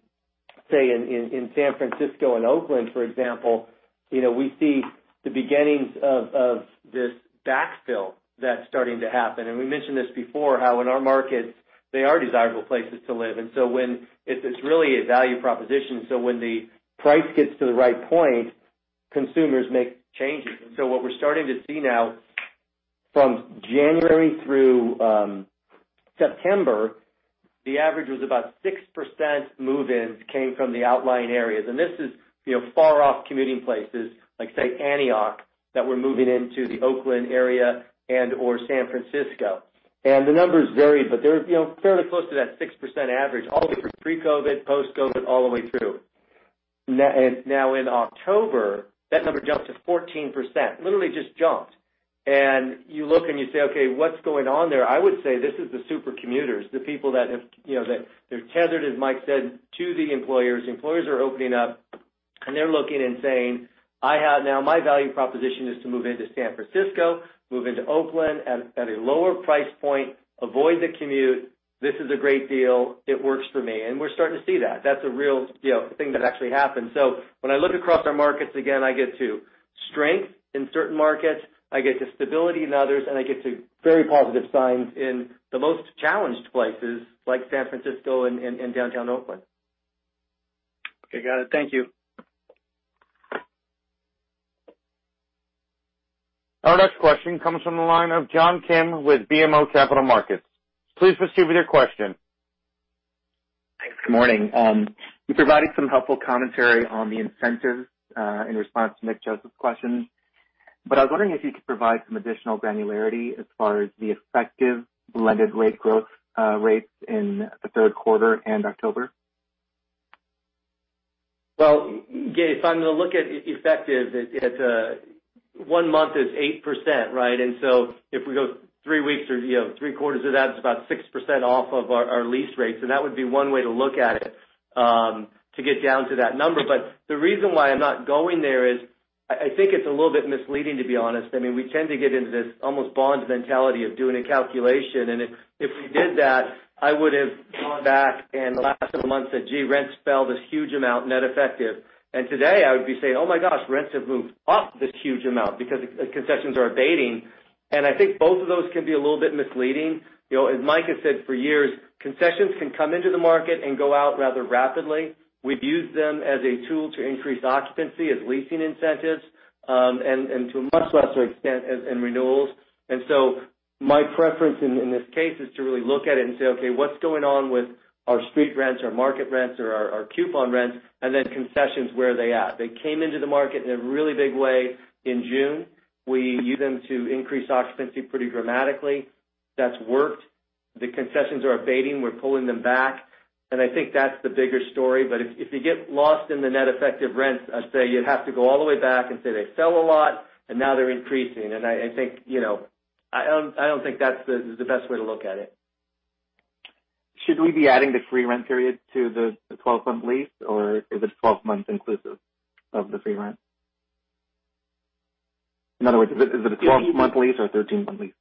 say, in San Francisco and Oakland, for example, we see the beginnings of this backfill that's starting to happen. We mentioned this before, how in our markets, they are desirable places to live. It's really a value proposition. When the price gets to the right point, consumers make changes. What we're starting to see now from January through September, the average was about 6% move-ins came from the outlying areas. This is far-off commuting places, like, say, Antioch, that were moving into the Oakland area and/or San Francisco. The numbers varied, but they're fairly close to that 6% average, all the way from pre-COVID, post-COVID, all the way through. Now, in October, that number jumped to 14%. Literally just jumped. You look and you say, "Okay, what's going on there?" I would say this is the super commuters, the people that they're tethered, as Michael said, to the employers. Employers are opening up, and they're looking and saying, "Now my value proposition is to move into San Francisco, move into Oakland at a lower price point, avoid the commute. This is a great deal. It works for me." We're starting to see that. That's a real thing that actually happened. When I look across our markets, again, I get to strength in certain markets, I get to stability in others, and I get to very positive signs in the most challenged places like San Francisco and Downtown Oakland. Okay, got it. Thank you. Our next question comes from the line of John Kim with BMO Capital Markets. Please proceed with your question. Thanks. Good morning. You provided some helpful commentary on the incentives in response to Nick Joseph's questions, but I was wondering if you could provide some additional granularity as far as the effective blended rate growth rates in the third quarter and October? Well, if I'm going to look at effective, one month is 8%, right? If we go three weeks or three quarters of that, it's about 6% off of our lease rates, and that would be one way to look at it to get down to that number. The reason why I'm not going there is I think it's a little bit misleading, to be honest. We tend to get into this almost bond mentality of doing a calculation. If we did that, I would've gone back in the last several months said, "Gee, rents fell this huge amount net effective." Today I would be saying, "Oh my gosh, rents have moved up this huge amount because concessions are abating." I think both of those can be a little bit misleading. As Mike has said for years, concessions can come into the market and go out rather rapidly. We've used them as a tool to increase occupancy, as leasing incentives, and to a much lesser extent, in renewals. My preference in this case is to really look at it and say, "Okay, what's going on with our street rents, our market rents, or our coupon rents, and then concessions, where are they at?" They came into the market in a really big way in June. We used them to increase occupancy pretty dramatically. That's worked. The concessions are abating. We're pulling them back, and I think that's the bigger story. If you get lost in the net effective rents, I'd say you'd have to go all the way back and say they fell a lot, and now they're increasing. I don't think that's the best way to look at it. Should we be adding the free rent period to the 12-month lease, or is the 12 months inclusive of the free rent? In other words, is it a 12-month lease or 13-month lease?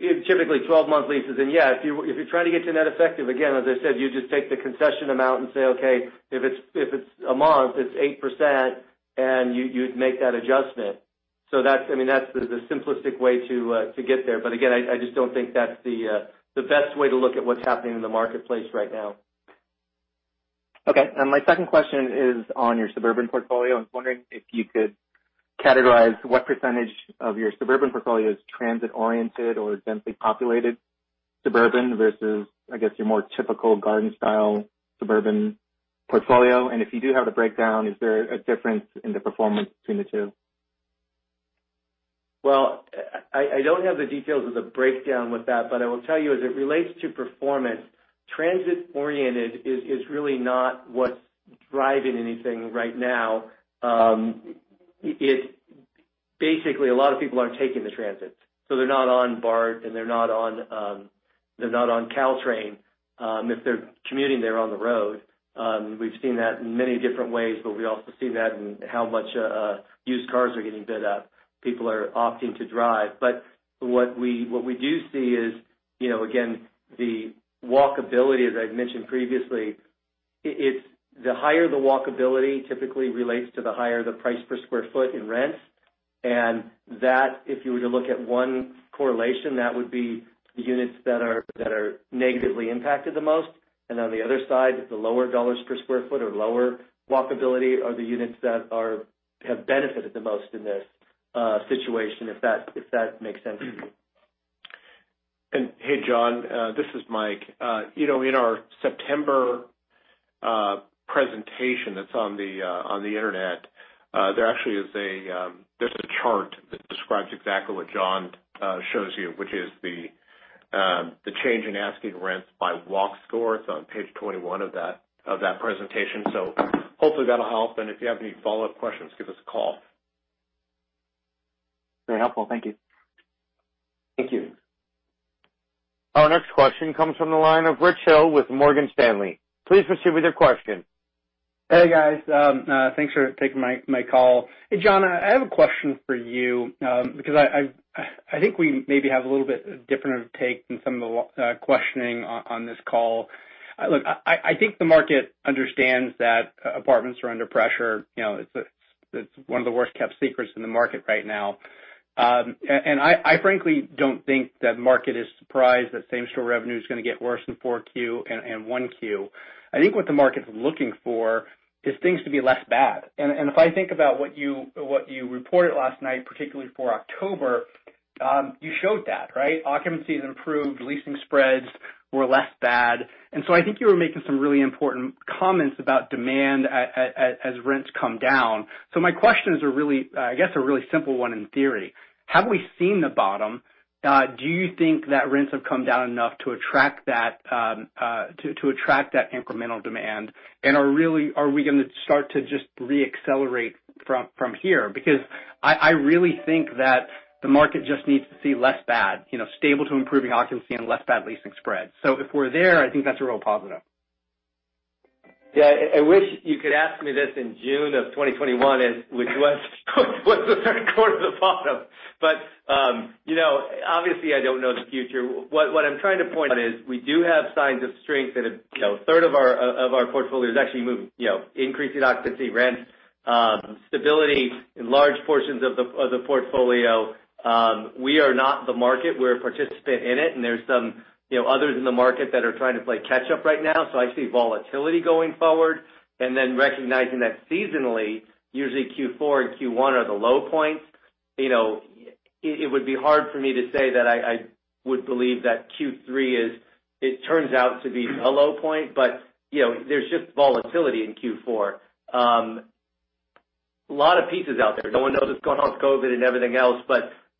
Typically 12-month leases. Yeah, if you're trying to get to net effective, again, as I said, you just take the concession amount and say, "Okay, if it's a month, it's 8%," and you'd make that adjustment. That's the simplistic way to get there. Again, I just don't think that's the best way to look at what's happening in the marketplace right now. Okay. My second question is on your suburban portfolio. I was wondering if you could categorize what percentage of your suburban portfolio is transit-oriented or densely populated suburban versus, I guess, your more typical garden-style suburban portfolio. If you do have the breakdown, is there a difference in the performance between the two? Well, I don't have the details of the breakdown with that. I will tell you, as it relates to performance, transit-oriented is really not what's driving anything right now. Basically, a lot of people aren't taking the transit. They're not on BART, and they're not on Caltrain. If they're commuting, they're on the road. We've seen that in many different ways, but we also see that in how much used cars are getting bid up. People are opting to drive. What we do see is, again, the walkability, as I mentioned previously. The higher the walkability typically relates to the higher the price per square foot in rents. That, if you were to look at one correlation, that would be the units that are negatively impacted the most. On the other side, the lower dollars per square foot or lower walkability are the units that have benefited the most in this situation, if that makes sense. Hey, John. This is Mike. In our September presentation that's on the internet, there actually is a chart that describes exactly what John shows you, which is the change in asking rents by Walk Score. It's on page 21 of that presentation. Hopefully that'll help. If you have any follow-up questions, give us a call. Very helpful. Thank you. Thank you. Question comes from the line of Rich Hill with Morgan Stanley. Please proceed with your question. Hey, guys. Thanks for taking my call. Hey, John, I have a question for you, because I think we maybe have a little bit different of take than some of the questioning on this call. Look, I think the market understands that apartments are under pressure. It's one of the worst kept secrets in the market right now. I frankly don't think that market is surprised that same store revenue is going to get worse in 4Q and 1Q. I think what the market's looking for is things to be less bad. If I think about what you reported last night, particularly for October, you showed that, right? Occupancy has improved. Leasing spreads were less bad. I think you were making some really important comments about demand as rents come down. My question is, I guess, a really simple one in theory. Have we seen the bottom? Do you think that rents have come down enough to attract that incremental demand, are we going to start to just re-accelerate from here? I really think that the market just needs to see less bad, stable to improving occupancy and less bad leasing spreads. If we're there, I think that's a real positive. Yeah. I wish you could ask me this in June of 2021, which was the third quarter bottom. Obviously, I don't know the future. What I'm trying to point is, we do have signs of strength in 1/3 of our portfolio is actually moving, increasing occupancy rents, stability in large portions of the portfolio. We are not the market. We're a participant in it, and there's some others in the market that are trying to play catch up right now. I see volatility going forward. Recognizing that seasonally, usually Q4 and Q1 are the low points. It would be hard for me to say that I would believe that Q3 it turns out to be a low point. There's just volatility in Q4. Lot of pieces out there. No one knows what's going on with COVID and everything else,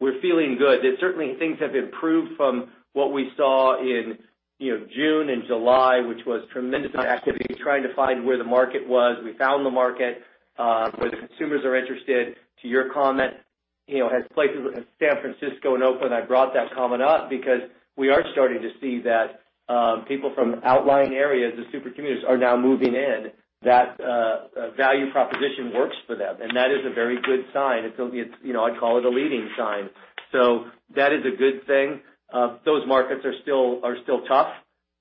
we're feeling good, that certainly things have improved from what we saw in June and July, which was tremendous amount of activity, trying to find where the market was. We found the market, where the consumers are interested. To your comment, at places like San Francisco and Oakland, I brought that comment up because we are starting to see that people from outlying areas, the super commuters, are now moving in. That value proposition works for them, that is a very good sign. I'd call it a leading sign. That is a good thing. Those markets are still tough,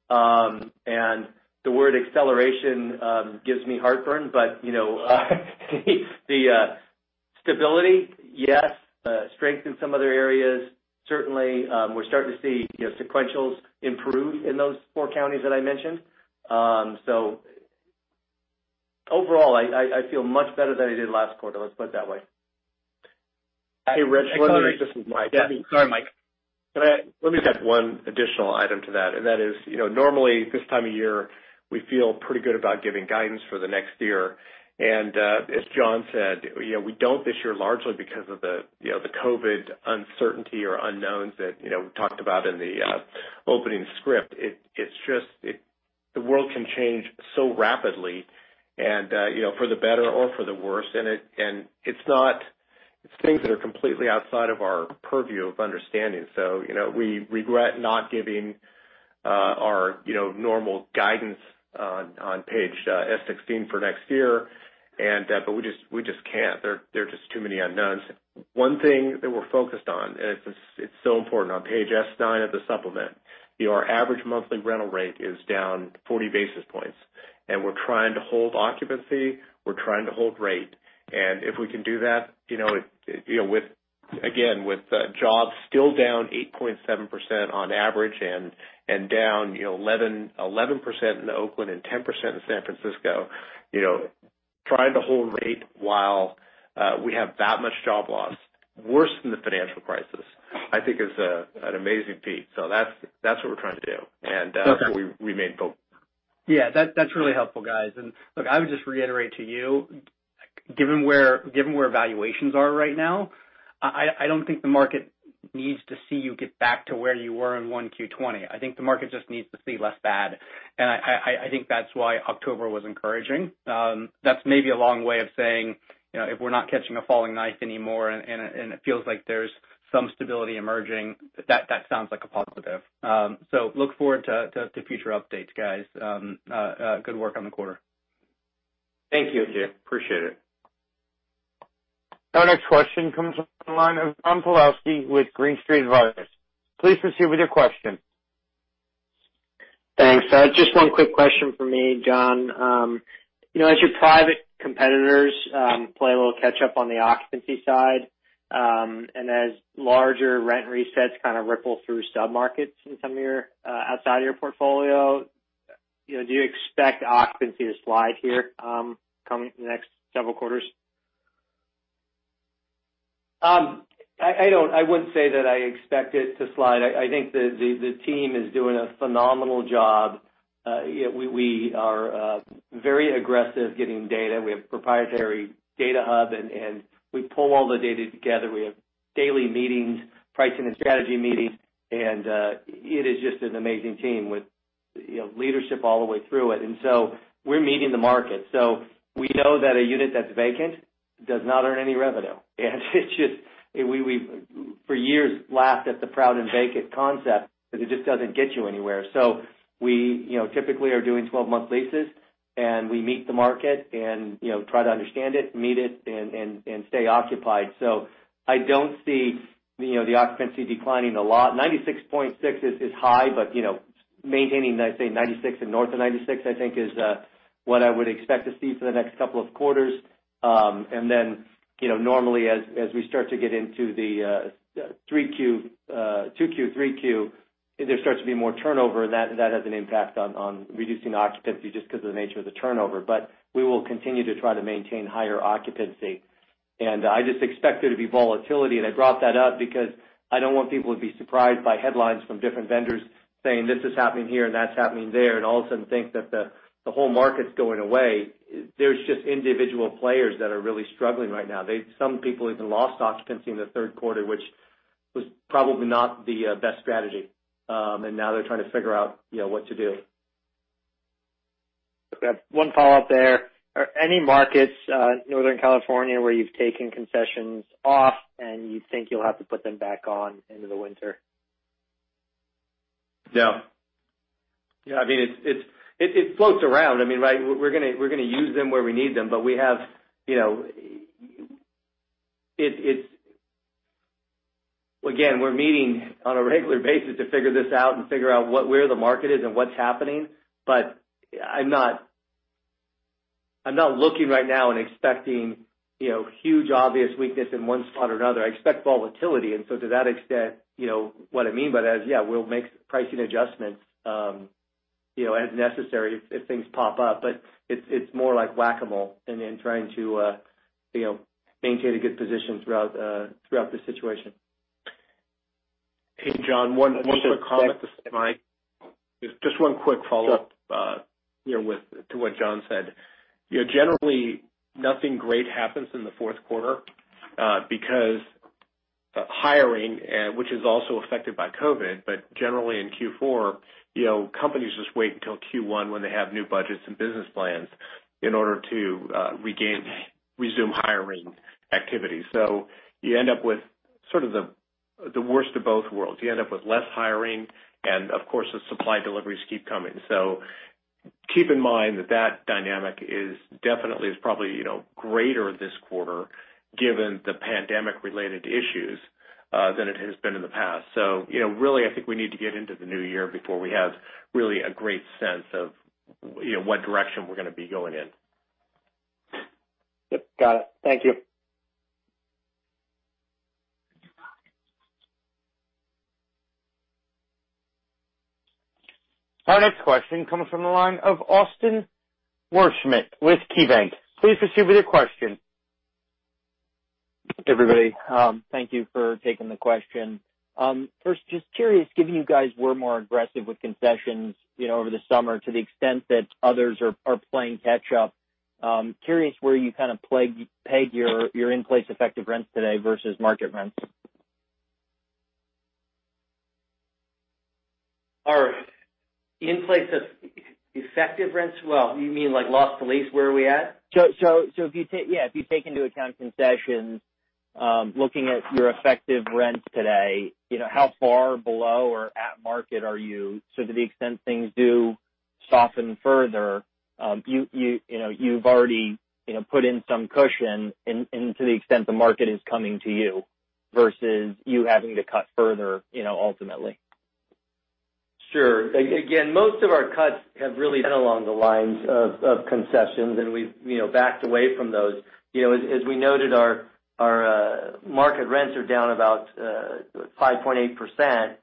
and the word acceleration gives me heartburn, but the stability, yes. Strength in some other areas, certainly. We're starting to see sequentials improve in those four counties that I mentioned. Overall, I feel much better than I did last quarter, let's put it that way. Hey, Rich. Sorry. This is Mike. Yeah. Sorry, Mike. Let me just add one additional item to that, and that is, normally this time of year, we feel pretty good about giving guidance for the next year. As John said, we don't this year largely because of the COVID uncertainty or unknowns that we talked about in the opening script. The world can change so rapidly and for the better or for the worse, and it's things that are completely outside of our purview of understanding. We regret not giving our normal guidance on page S16 for next year, but we just can't. There are just too many unknowns. One thing that we're focused on, and it's so important, on page S9 of the supplement, our average monthly rental rate is down 40 basis points, and we're trying to hold occupancy, we're trying to hold rate. If we can do that, again, with jobs still down 8.7% on average and down 11% in Oakland and 10% in San Francisco, trying to hold rate while we have that much job loss, worse than the financial crisis, I think is an amazing feat. That's what we're trying to do. Okay We remain focused. Yeah, that's really helpful, guys. Look, I would just reiterate to you, given where valuations are right now, I don't think the market needs to see you get back to where you were in 1Q 2020. I think the market just needs to see less bad, and I think that's why October was encouraging. That's maybe a long way of saying, if we're not catching a falling knife anymore, and it feels like there's some stability emerging, that sounds like a positive. Look forward to future updates, guys. Good work on the quarter. Thank you. Appreciate it. Our next question comes on the line of John Pawlowski with Green Street Advisors. Please proceed with your question. Thanks. Just one quick question for me, John. As your private competitors play a little catch up on the occupancy side, as larger rent resets kind of ripple through sub-markets in some of your outside of your portfolio, do you expect occupancy to slide here coming the next several quarters? I wouldn't say that I expect it to slide. I think the team is doing a phenomenal job. We are very aggressive getting data. We have proprietary data hub, and we pull all the data together. We have daily meetings, pricing and strategy meetings, and it is just an amazing team with leadership all the way through it. We're meeting the market. We know that a unit that's vacant does not earn any revenue. We, for years, laughed at the proud and vacant concept because it just doesn't get you anywhere. We typically are doing 12-month leases, and we meet the market and try to understand it, meet it, and stay occupied. I don't see the occupancy declining a lot. 96.6% is high, but maintaining, I'd say 96% and north of 96%, I think, is what I would expect to see for the next couple of quarters. Normally as we start to get into the 2Q, 3Q, there starts to be more turnover, and that has an impact on reducing occupancy just because of the nature of the turnover. We will continue to try to maintain higher occupancy. I just expect there to be volatility. I brought that up because I don't want people to be surprised by headlines from different vendors saying, "This is happening here, and that's happening there," and all of a sudden think that the whole market's going away. There's just individual players that are really struggling right now. Some people even lost occupancy in the third quarter, which was probably not the best strategy. Now they're trying to figure out what to do. We have one follow-up there. Are any markets, Northern California, where you've taken concessions off and you think you'll have to put them back on into the winter? No. It floats around. We're going to use them where we need them. Again, we're meeting on a regular basis to figure this out and figure out where the market is and what's happening. I'm not looking right now and expecting huge obvious weakness in one spot or another. I expect volatility, to that extent, what I mean by that is, yeah, we'll make pricing adjustments as necessary if things pop up. It's more like Whac-A-Mole then trying to maintain a good position throughout the situation. Hey, John, one quick comment. Just one quick follow-up— Sure —to what John said. Generally, nothing great happens in the fourth quarter, because hiring, which is also affected by COVID, but generally in Q4, companies just wait until Q1 when they have new budgets and business plans in order to resume hiring activities. You end up with sort of the worst of both worlds. You end up with less hiring, and of course, the supply deliveries keep coming. Keep in mind that dynamic is definitely, is probably greater this quarter, given the pandemic-related issues, than it has been in the past. Really, I think we need to get into the new year before we have really a great sense of what direction we're going to be going in. Yep, got it. Thank you. Our next question comes from the line of Austin Wurschmidt with KeyBanc. Please proceed with your question. Hi everybody, thank you for taking the question. First, just curious, given you guys were more aggressive with concessions over the summer to the extent that others are playing catch up. Curious where you kind of pegged your in-place effective rents today versus market rents. Our in-place effective rents? Well, you mean like loss to lease, where are we at? If you take into account concessions, looking at your effective rents today, how far below or at market are you? To the extent things do soften further, you've already put in some cushion into the extent the market is coming to you versus you having to cut further, ultimately. Sure. Again, most of our cuts have really been along the lines of concessions, and we've backed away from those. As we noted, our market rents are down about 5.8%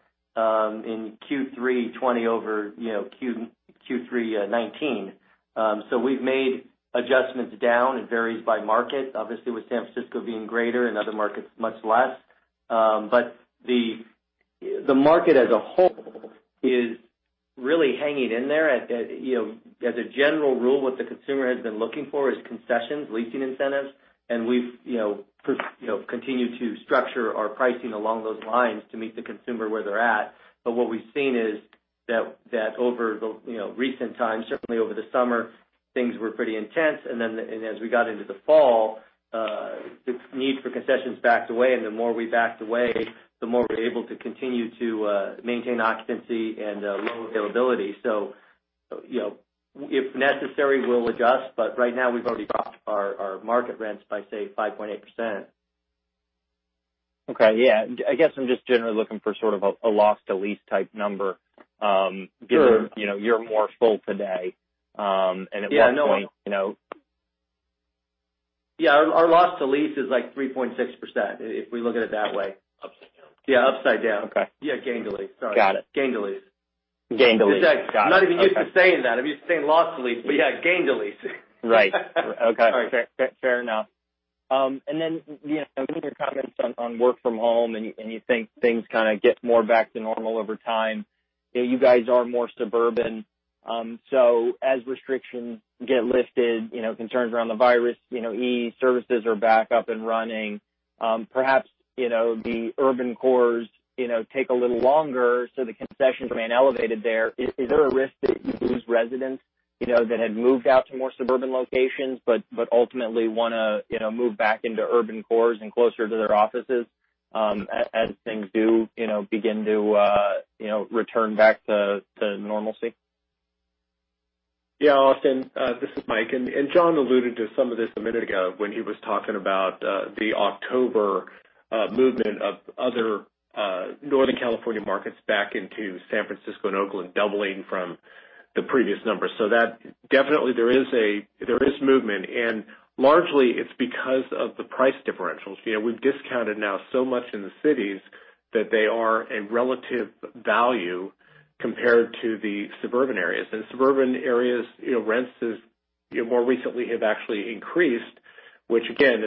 in Q3 2020 over Q3 2019. We've made adjustments down. It varies by market. Obviously, with San Francisco being greater and other markets much less. The market as a whole is really hanging in there. As a general rule, what the consumer has been looking for is concessions, leasing incentives, and we've continued to structure our pricing along those lines to meet the consumer where they're at. What we've seen is that over recent times, certainly over the summer, things were pretty intense. As we got into the fall, the need for concessions backed away, and the more we backed away, the more we're able to continue to maintain occupancy and low availability. If necessary, we'll adjust, but right now we've already dropped our market rents by, say, 5.8%. Okay. Yeah. I guess I'm just generally looking for sort of a loss to lease type number. Sure Given you're more full today. At what point. Yeah. No. You know. Yeah. Our loss to lease is like 3.6% if we look at it that way. Upside down. Yeah, upside down. Okay. Yeah, gain to lease. Sorry. Got it. Gain to lease. Gain to lease. Got it. Okay. I'm not even used to saying that. I'm used to saying loss to lease, but yeah, gain to lease. Right. Okay. Fair enough. Your comments on work from home, you think things kind of get more back to normal over time. You guys are more suburban. As restrictions get lifted, concerns around the virus ease, services are back up and running. Perhaps the urban cores take a little longer, so the concessions remain elevated there. Is there a risk that you lose residents that had moved out to more suburban locations, but ultimately want to move back into urban cores and closer to their offices as things do begin to return back to normalcy? Yeah, Austin, this is Mike. John alluded to some of this a minute ago when he was talking about the October movement of other Northern California markets back into San Francisco and Oakland doubling from the previous numbers. Definitely there is movement, largely it's because of the price differentials. We've discounted now so much in the cities that they are a relative value compared to the suburban areas. In suburban areas, rents more recently have actually increased, which again,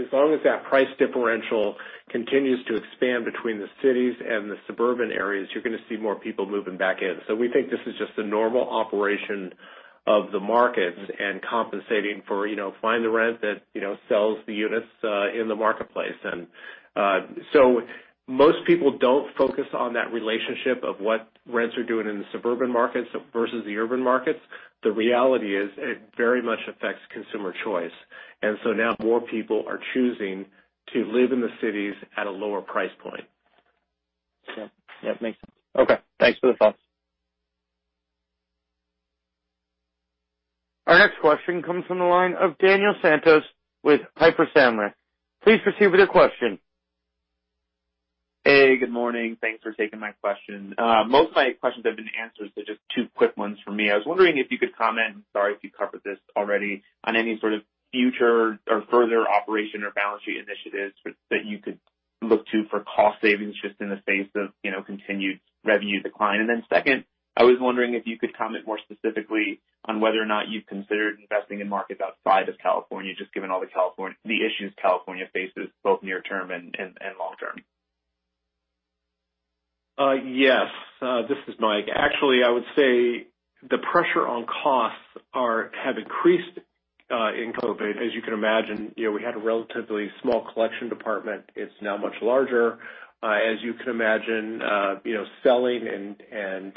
as long as that price differential continues to expand between the cities and the suburban areas, you're going to see more people moving back in. We think this is just a normal operation of the markets and compensating for find the rent that sells the units in the marketplace. Most people don't focus on that relationship of what rents are doing in the suburban markets versus the urban markets. The reality is it very much affects consumer choice. Now more people are choosing to live in the cities at a lower price point. Yeah. That makes sense. Okay. Thanks for the thoughts. Our next question comes from the line of Daniel Santos with Piper Sandler. Please proceed with your question. Hey, good morning. Thanks for taking my question. Most of my questions have been answered. Just two quick ones from me. I was wondering if you could comment, sorry if you covered this already, on any sort of future or further operation or balance sheet initiatives that you could look to for cost savings just in the face of continued revenue decline. Second, I was wondering if you could comment more specifically on whether or not you've considered investing in markets outside of California, just given all the issues California faces, both near-term and long-term. Yes. This is Mike. Actually, I would say the pressure on costs have increased in COVID. As you can imagine, we had a relatively small collection department. It's now much larger. As you can imagine, selling and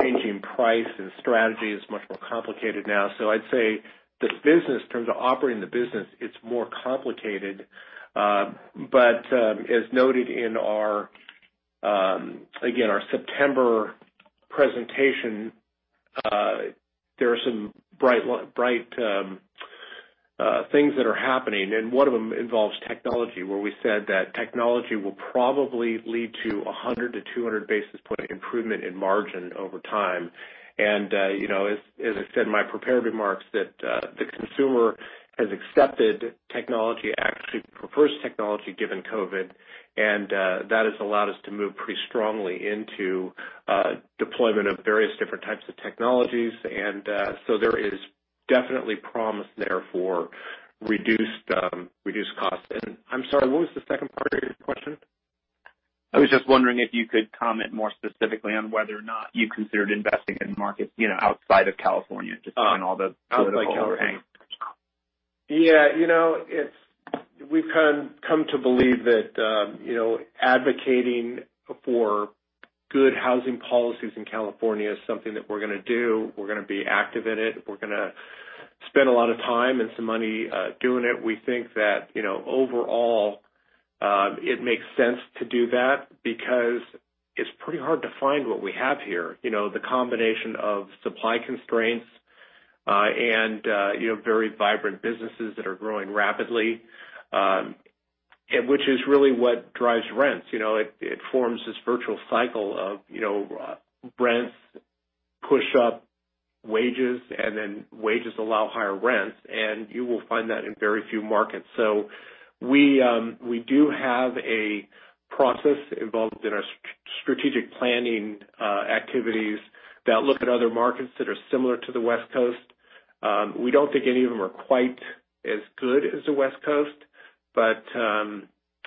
changing price and strategy is much more complicated now. I'd say the business, in terms of operating the business, it's more complicated. As noted in, again, our September presentation, there are some bright things that are happening, and one of them involves technology, where we said that technology will probably lead to 100 to 200 basis point improvement in margin over time. As I said in my prepared remarks, that the consumer has accepted technology, actually prefers technology given COVID, and that has allowed us to move pretty strongly into deployment of various different types of technologies. There is definitely promise there for reduced cost. I'm sorry, what was the second part of your question? I was just wondering if you could comment more specifically on whether or not you considered investing in markets outside of California, just given all the political hang-ups. Yeah. We've come to believe that advocating for good housing policies in California is something that we're going to do. We're going to be active in it. We're going to spend a lot of time and some money doing it. We think that overall, it makes sense to do that because it's pretty hard to find what we have here. The combination of supply constraints and very vibrant businesses that are growing rapidly, which is really what drives rents. It forms this virtual cycle of rents push up wages, and then wages allow higher rents, and you will find that in very few markets. We do have a process involved in our strategic planning activities that look at other markets that are similar to the West Coast. We don't think any of them are quite as good as the West Coast, but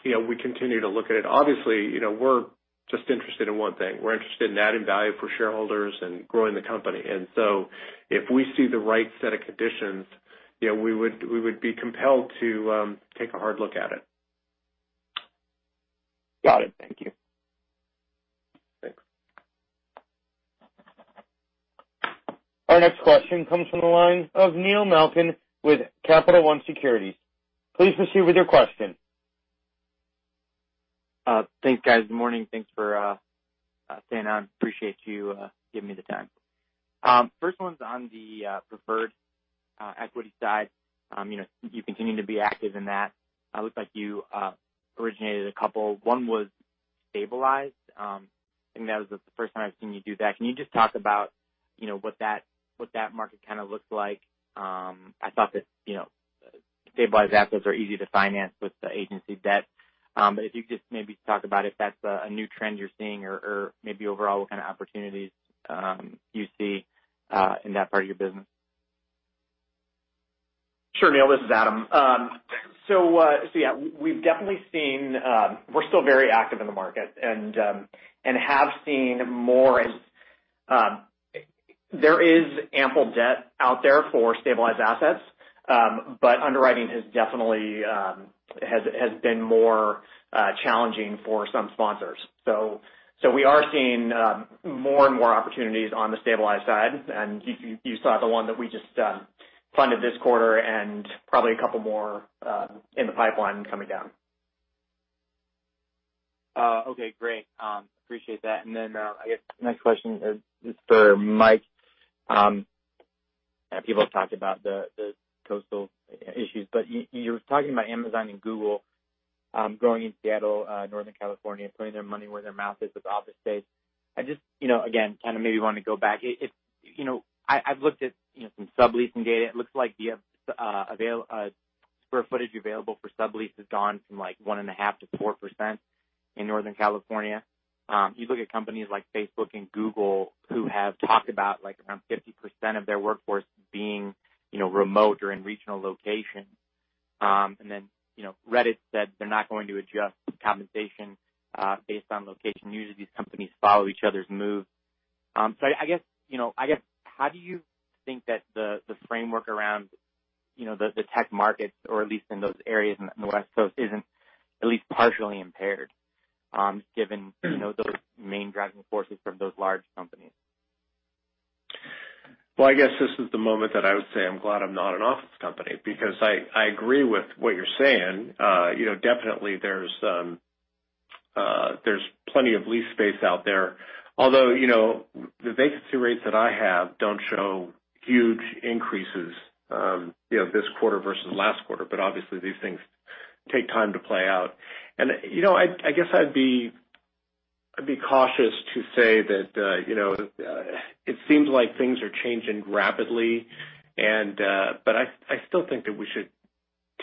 we continue to look at it. Obviously, we're just interested in one thing. We're interested in adding value for shareholders and growing the company. If we see the right set of conditions, we would be compelled to take a hard look at it. Got it. Thank you. Thanks. Our next question comes from the line of Neil Malkin with Capital One Securities. Please proceed with your question. Thanks, guys. Good morning. Thanks for staying on. Appreciate you giving me the time. First one's on the preferred equity side. You continue to be active in that. It looks like you originated a couple. One was stabilized. I think that was the first time I've seen you do that. Can you just talk about what that market kind of looks like? I thought that stabilized assets are easy to finance with the agency debt. If you could just maybe talk about if that's a new trend you're seeing or maybe overall what kind of opportunities you see in that part of your business. Sure, Neil, this is Adam. Yeah, we're still very active in the market and have seen more as there is ample debt out there for stabilized assets. Underwriting has definitely been more challenging for some sponsors. We are seeing more and more opportunities on the stabilized side. You saw the one that we just funded this quarter and probably a couple more in the pipeline coming down. Okay, great. Appreciate that. I guess the next question is for Mike. People have talked about the coastal issues, but you were talking about Amazon and Google growing in Seattle, Northern California, putting their money where their mouth is with office space. Kind of maybe want to go back. I've looked at some subleasing data. It looks like you have square footage available for sublease has gone from 1.5% to 4% in Northern California. You look at companies like Facebook and Google, who have talked about around 50% of their workforce being remote or in regional locations. Reddit said they're not going to adjust compensation based on location. Usually, these companies follow each other's moves. I guess, how do you think that the framework around the tech markets, or at least in those areas in the West Coast, isn't at least partially impaired, given those main driving forces from those large companies? Well, I guess this is the moment that I would say I'm glad I'm not an office company, because I agree with what you're saying. Definitely there's plenty of lease space out there, although, the vacancy rates that I have don't show huge increases this quarter versus last quarter, but obviously these things take time to play out. I guess I'd be cautious to say that it seems like things are changing rapidly, but I still think that we should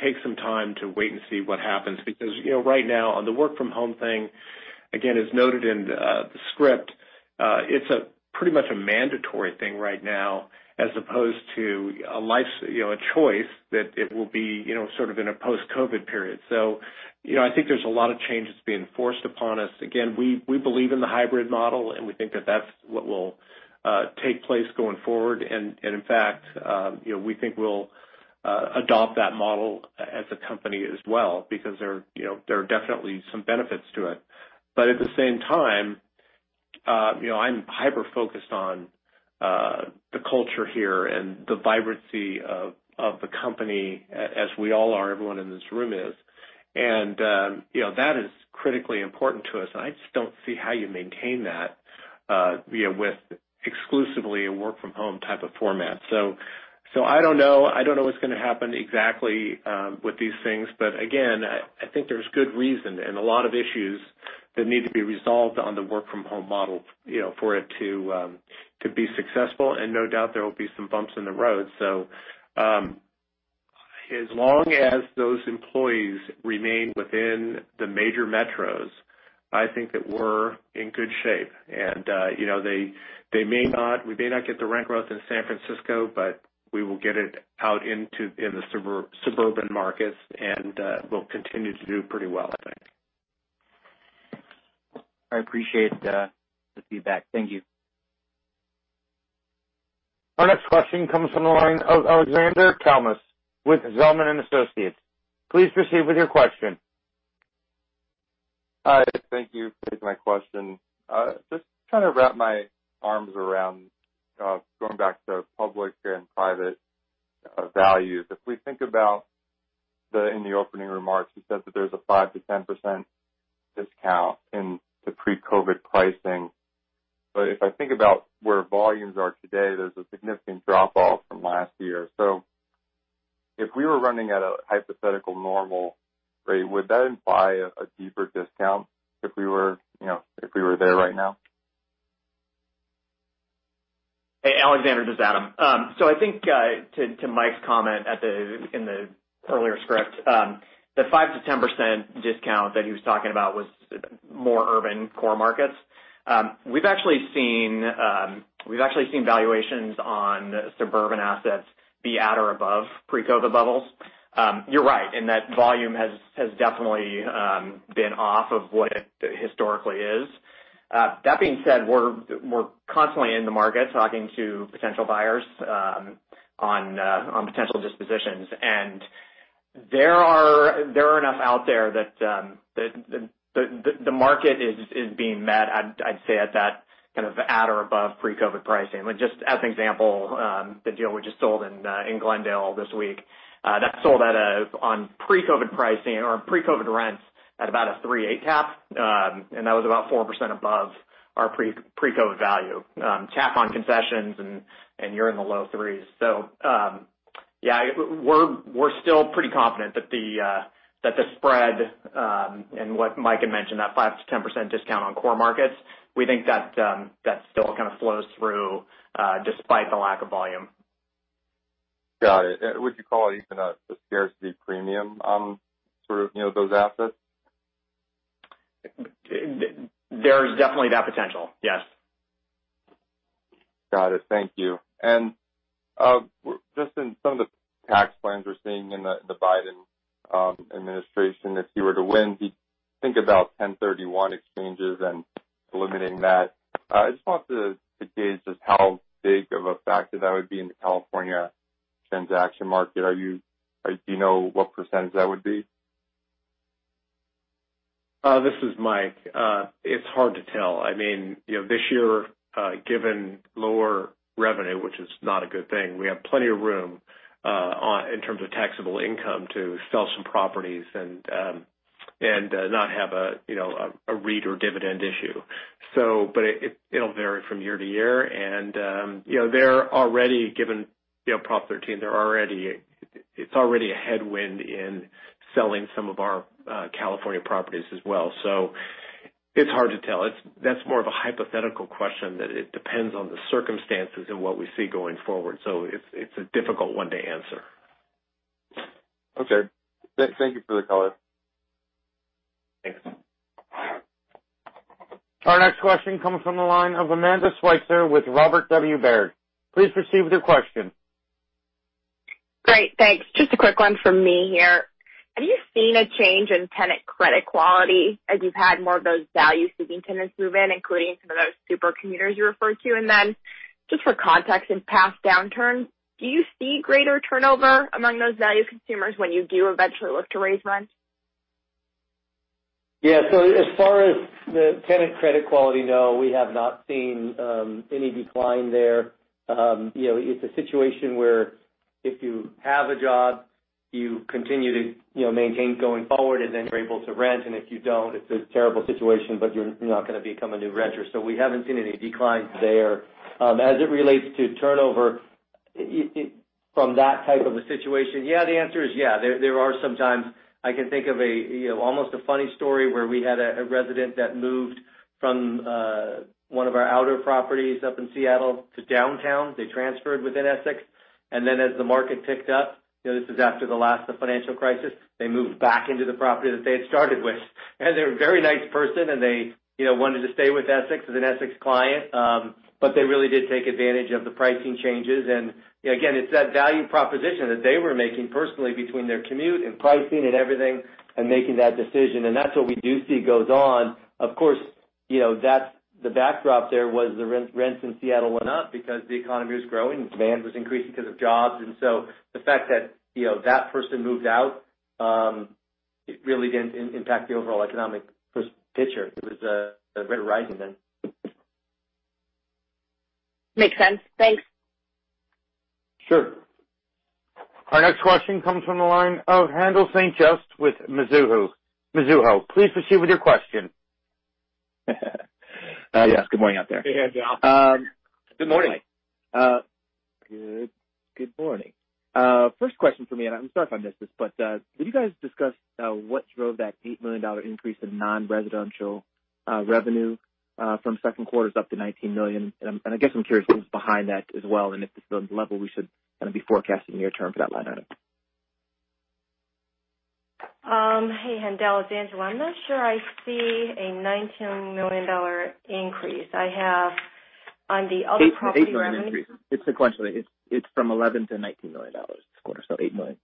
take some time to wait and see what happens. Right now, on the work from home thing, again, as noted in the script, it's pretty much a mandatory thing right now as opposed to a choice that it will be sort of in a post-COVID period. I think there's a lot of changes being forced upon us. Again, we believe in the hybrid model, and we think that that's what will take place going forward. In fact, we think we'll adopt that model as a company as well because there are definitely some benefits to it. At the same time, I'm hyper-focused on the culture here and the vibrancy of the company, as we all are, everyone in this room is. That is critically important to us, and I just don't see how you maintain that with exclusively a work from home type of format. I don't know. I don't know what's going to happen exactly with these things. Again, I think there's good reason and a lot of issues that need to be resolved on the work from home model for it to be successful. No doubt there will be some bumps in the road. As long as those employees remain within the major metros, I think that we're in good shape. We may not get the rent growth in San Francisco, but we will get it out in the suburban markets, and we'll continue to do pretty well, I think. I appreciate the feedback. Thank you. Our next question comes from the line of Alexander Kalmus with Zelman & Associates. Please proceed with your question. Hi, thank you for taking my question. Just trying to wrap my arms around going back to public and private values. If we think about in the opening remarks, you said that there's a 5%-10% discount in the pre-COVID pricing. If I think about where volumes are today, there's a significant drop-off from last year. If we were running at a hypothetical normal rate, would that imply a deeper discount if we were there right now? Hey, Alexander, this is Adam. I think to Mike's comment in the earlier script, the 5%-10% discount that he was talking about was more urban core markets. We've actually seen valuations on suburban assets be at or above pre-COVID levels. You're right in that volume has definitely been off of what it historically is. That being said, we're constantly in the market talking to potential buyers on potential dispositions. There are enough out there that the market is being met, I'd say, at that kind of at or above pre-COVID pricing. Just as an example, the deal we just sold in Glendale this week. That sold at on pre-COVID pricing or pre-COVID rents at about a 3.8 cap. That was about 4% above our pre-COVID value. Cap on concessions, you're in the low 3s. Yeah, we're still pretty confident that the spread and what Mike had mentioned, that 5%-10% discount on core markets, we think that still kind of flows through despite the lack of volume. Got it. Would you call it even a scarcity premium on sort of those assets? There's definitely that potential, yes. Got it, thank you. Just in some of the tax plans we're seeing in the Biden administration, if he were to win, he's thinking about 1031 exchanges and limiting that. I just wanted to gauge just how big of a factor that would be in the California transaction market. Do you know what percentage that would be? This is Mike. It's hard to tell. This year, given lower revenue, which is not a good thing, we have plenty of room, in terms of taxable income, to sell some properties and not have a REIT or dividend issue. It'll vary from year to year and, they're already given Prop 13. It's already a headwind in selling some of our California properties as well. It's hard to tell. That's more of a hypothetical question that it depends on the circumstances and what we see going forward. It's a difficult one to answer. Okay. Thank you for the color. Thanks. Our next question comes from the line of Amanda Sweitzer with Robert W. Baird. Please proceed with your question. Great, thanks. Just a quick one from me here. Have you seen a change in tenant credit quality as you've had more of those value-seeking tenants move in, including some of those super commuters you referred to? Just for context, in past downturns, do you see greater turnover among those value consumers when you do eventually look to raise rents? As far as the tenant credit quality, no, we have not seen any decline there. It's a situation where if you have a job, you continue to maintain going forward and then you're able to rent, and if you don't, it's a terrible situation, but you're not going to become a new renter. We haven't seen any declines there. As it relates to turnover from that type of a situation, the answer is yeah. There are some times. I can think of almost a funny story where we had a resident that moved from one of our outer properties up in Seattle to downtown. They transferred within Essex. As the market picked up, this is after the last of the financial crisis, they moved back into the property that they had started with. They're a very nice person, and they wanted to stay with Essex as an Essex client. They really did take advantage of the pricing changes. Again, it's that value proposition that they were making personally between their commute and pricing and everything, and making that decision. That's what we do see goes on. Of course, the backdrop there was the rents in Seattle went up because the economy was growing, demand was increasing because of jobs. The fact that person moved out, it really didn't impact the overall economic picture. It was a rate rising then. Makes sense. Thanks. Sure. Our next question comes from the line of Haendel St. Juste with Mizuho. Please proceed with your question. Yes, good morning out there. Hey, Haendel. Good morning. Good morning. First question for me, I'm sorry if I missed this, did you guys discuss what drove that $8 million increase in non-residential revenue from Q2 up to $19 million? I guess I'm curious what's behind that as well, if this is a level we should be forecasting near-term for that line item? Hey, Haendel, it's Angela. I'm not sure I see a $19 million increase. I have on the other property revenue- It's an $8 million increase. It's sequentially. It's from $11 to $19 million this quarter, so $8 million.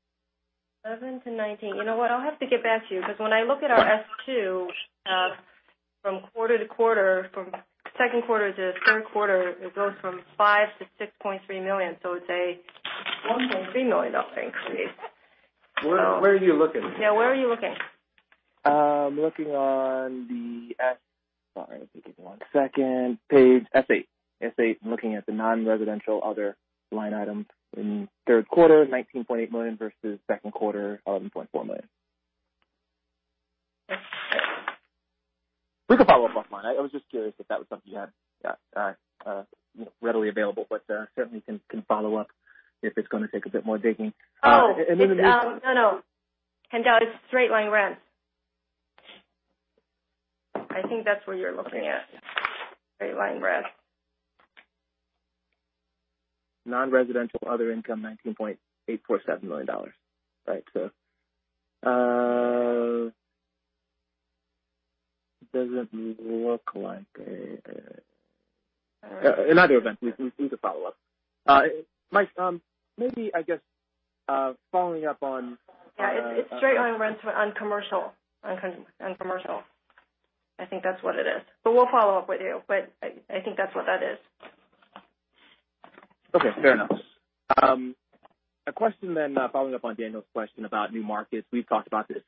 $11-$19. You know what? I'll have to get back to you, because when I look at our S2, from quarter to quarter, from second quarter to third quarter, it goes from $5 million to $6.3 million, so it's a $1.3 million increase. Where are you looking? Yeah, where are you looking? I'm looking on the Sorry, let me take one second. Page S8. I'm looking at the non-residential other line item in Q3, $19.8 million versus Q2, $11.4 million. We can follow up offline. I was just curious if that was something you had readily available. Certainly, can follow up if it's going to take a bit more digging. Oh. And then the- No, no. Haendel, it's straight-line rent. I think that's where you're looking at. Straight-line rent. Non-residential other income, $19.847 million. Right. In either event, we can follow up. Yeah. It's straight-line rent on commercial. I think that's what it is. We'll follow up with you. I think that's what that is. Okay, fair enough. A question following up on Daniel's question about new markets. We've talked about this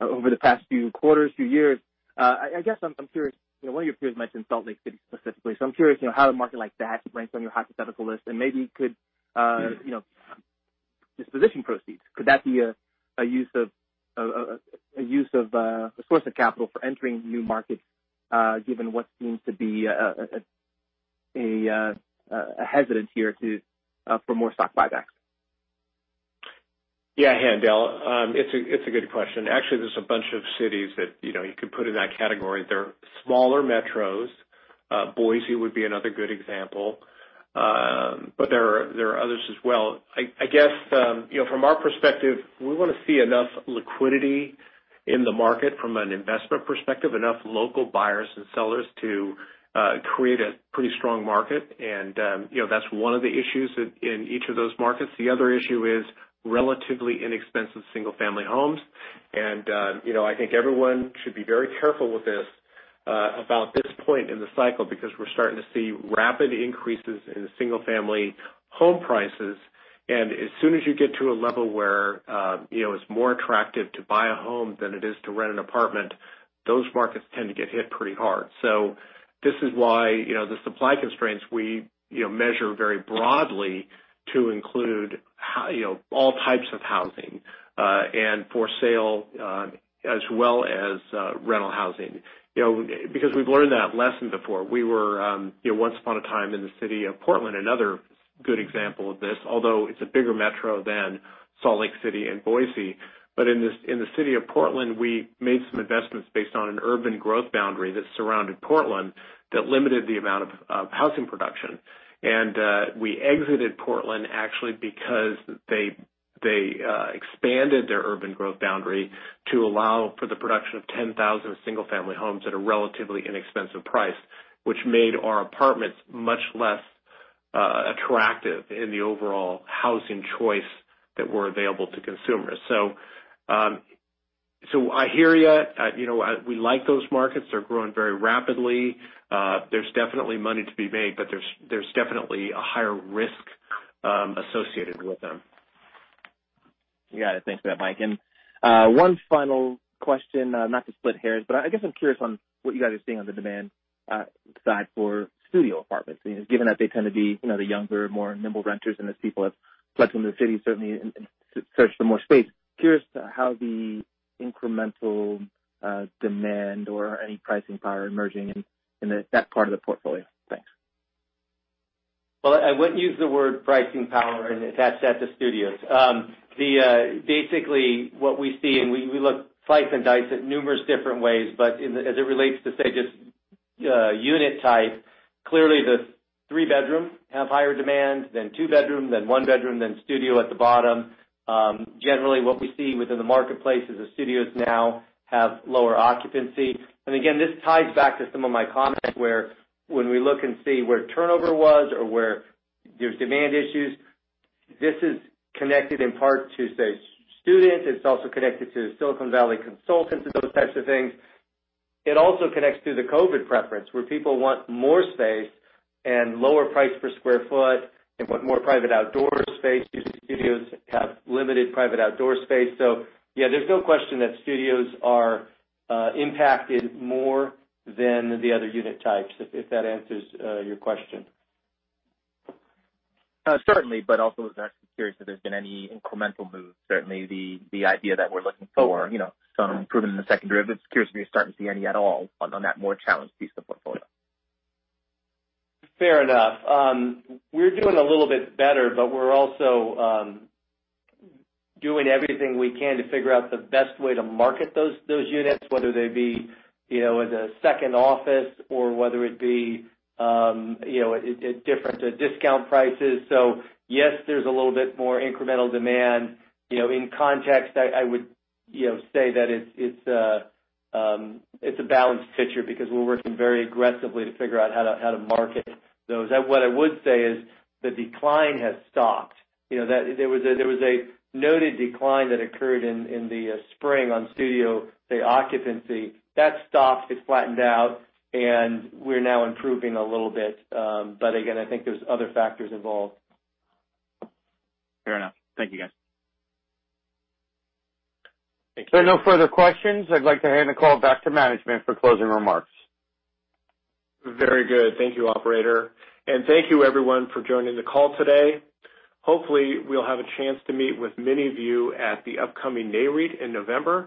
over the past few quarters, few years. I guess I'm curious, one of your peers mentioned Salt Lake City specifically. I'm curious how a market like that ranks on your hypothetical list and maybe could disposition proceeds. Could that be a source of capital for entering new markets, given what seems to be a hesitance here for more stock buybacks? Yeah, Haendel. It's a good question. Actually, there's a bunch of cities that you could put in that category. They're smaller metros. Boise would be another good example. There are others as well. I guess, from our perspective, we want to see enough liquidity In the market from an investment perspective, enough local buyers and sellers to create a pretty strong market. That's one of the issues in each of those markets. The other issue is relatively inexpensive single-family homes. I think everyone should be very careful with this about this point in the cycle, because we're starting to see rapid increases in single-family home prices. As soon as you get to a level where it's more attractive to buy a home than it is to rent an apartment, those markets tend to get hit pretty hard. This is why the supply constraints we measure very broadly to include all types of housing, and for sale as well as rental housing. We've learned that lesson before. We were once upon a time in the city of Portland, another good example of this, although it's a bigger metro than Salt Lake City and Boise. In the city of Portland, we made some investments based on an urban growth boundary that surrounded Portland that limited the amount of housing production. We exited Portland actually because they expanded their urban growth boundary to allow for the production of 10,000 single-family homes at a relatively inexpensive price, which made our apartments much less attractive in the overall housing choice that were available to consumers. I hear you. We like those markets. They're growing very rapidly. There's definitely money to be made, but there's definitely a higher risk associated with them. Got it. Thanks for that, Mike. One final question, not to split hairs, but I guess I'm curious on what you guys are seeing on the demand side for studio apartments. Given that they tend to be the younger, more nimble renters, and as people have fled from the city, certainly, and search for more space. Curious how the incremental demand or any pricing power emerging in that part of the portfolio. Thanks. Well, I wouldn't use the word pricing power and attach that to studios. Basically, what we see, and we look, slice and dice it numerous different ways, but as it relates to, say, just unit type, clearly the three-bedroom have higher demand than two-bedroom, than one-bedroom, than studio at the bottom. Generally, what we see within the marketplace is that studios now have lower occupancy. Again, this ties back to some of my comments where when we look and see where turnover was or where there's demand issues, this is connected in part to, say, students. It's also connected to Silicon Valley consultants and those types of things. It also connects to the COVID preference, where people want more space and lower price per square foot and want more private outdoor space. Studios have limited private outdoor space. Yeah, there's no question that studios are impacted more than the other unit types, if that answers your question. Certainly, also was actually curious if there's been any incremental moves. Certainly, the idea that we're looking for some improvement in the secondary, just curious if you're starting to see any at all on that more challenged piece of the portfolio. Fair enough. We're doing a little bit better. We're also doing everything we can to figure out the best way to market those units, whether they be as a second office or whether it be different discount prices. Yes, there's a little bit more incremental demand. In context, I would say that it's a balanced picture because we're working very aggressively to figure out how to market those. What I would say is the decline has stopped. There was a noted decline that occurred in the spring on studio occupancy. That stopped. It flattened out, and we're now improving a little bit. Again, I think there's other factors involved. Fair enough. Thank you, guys. If there are no further questions, I'd like to hand the call back to management for closing remarks. Very good. Thank you, operator. Thank you, everyone, for joining the call today. Hopefully, we'll have a chance to meet with many of you at the upcoming NAREIT in November.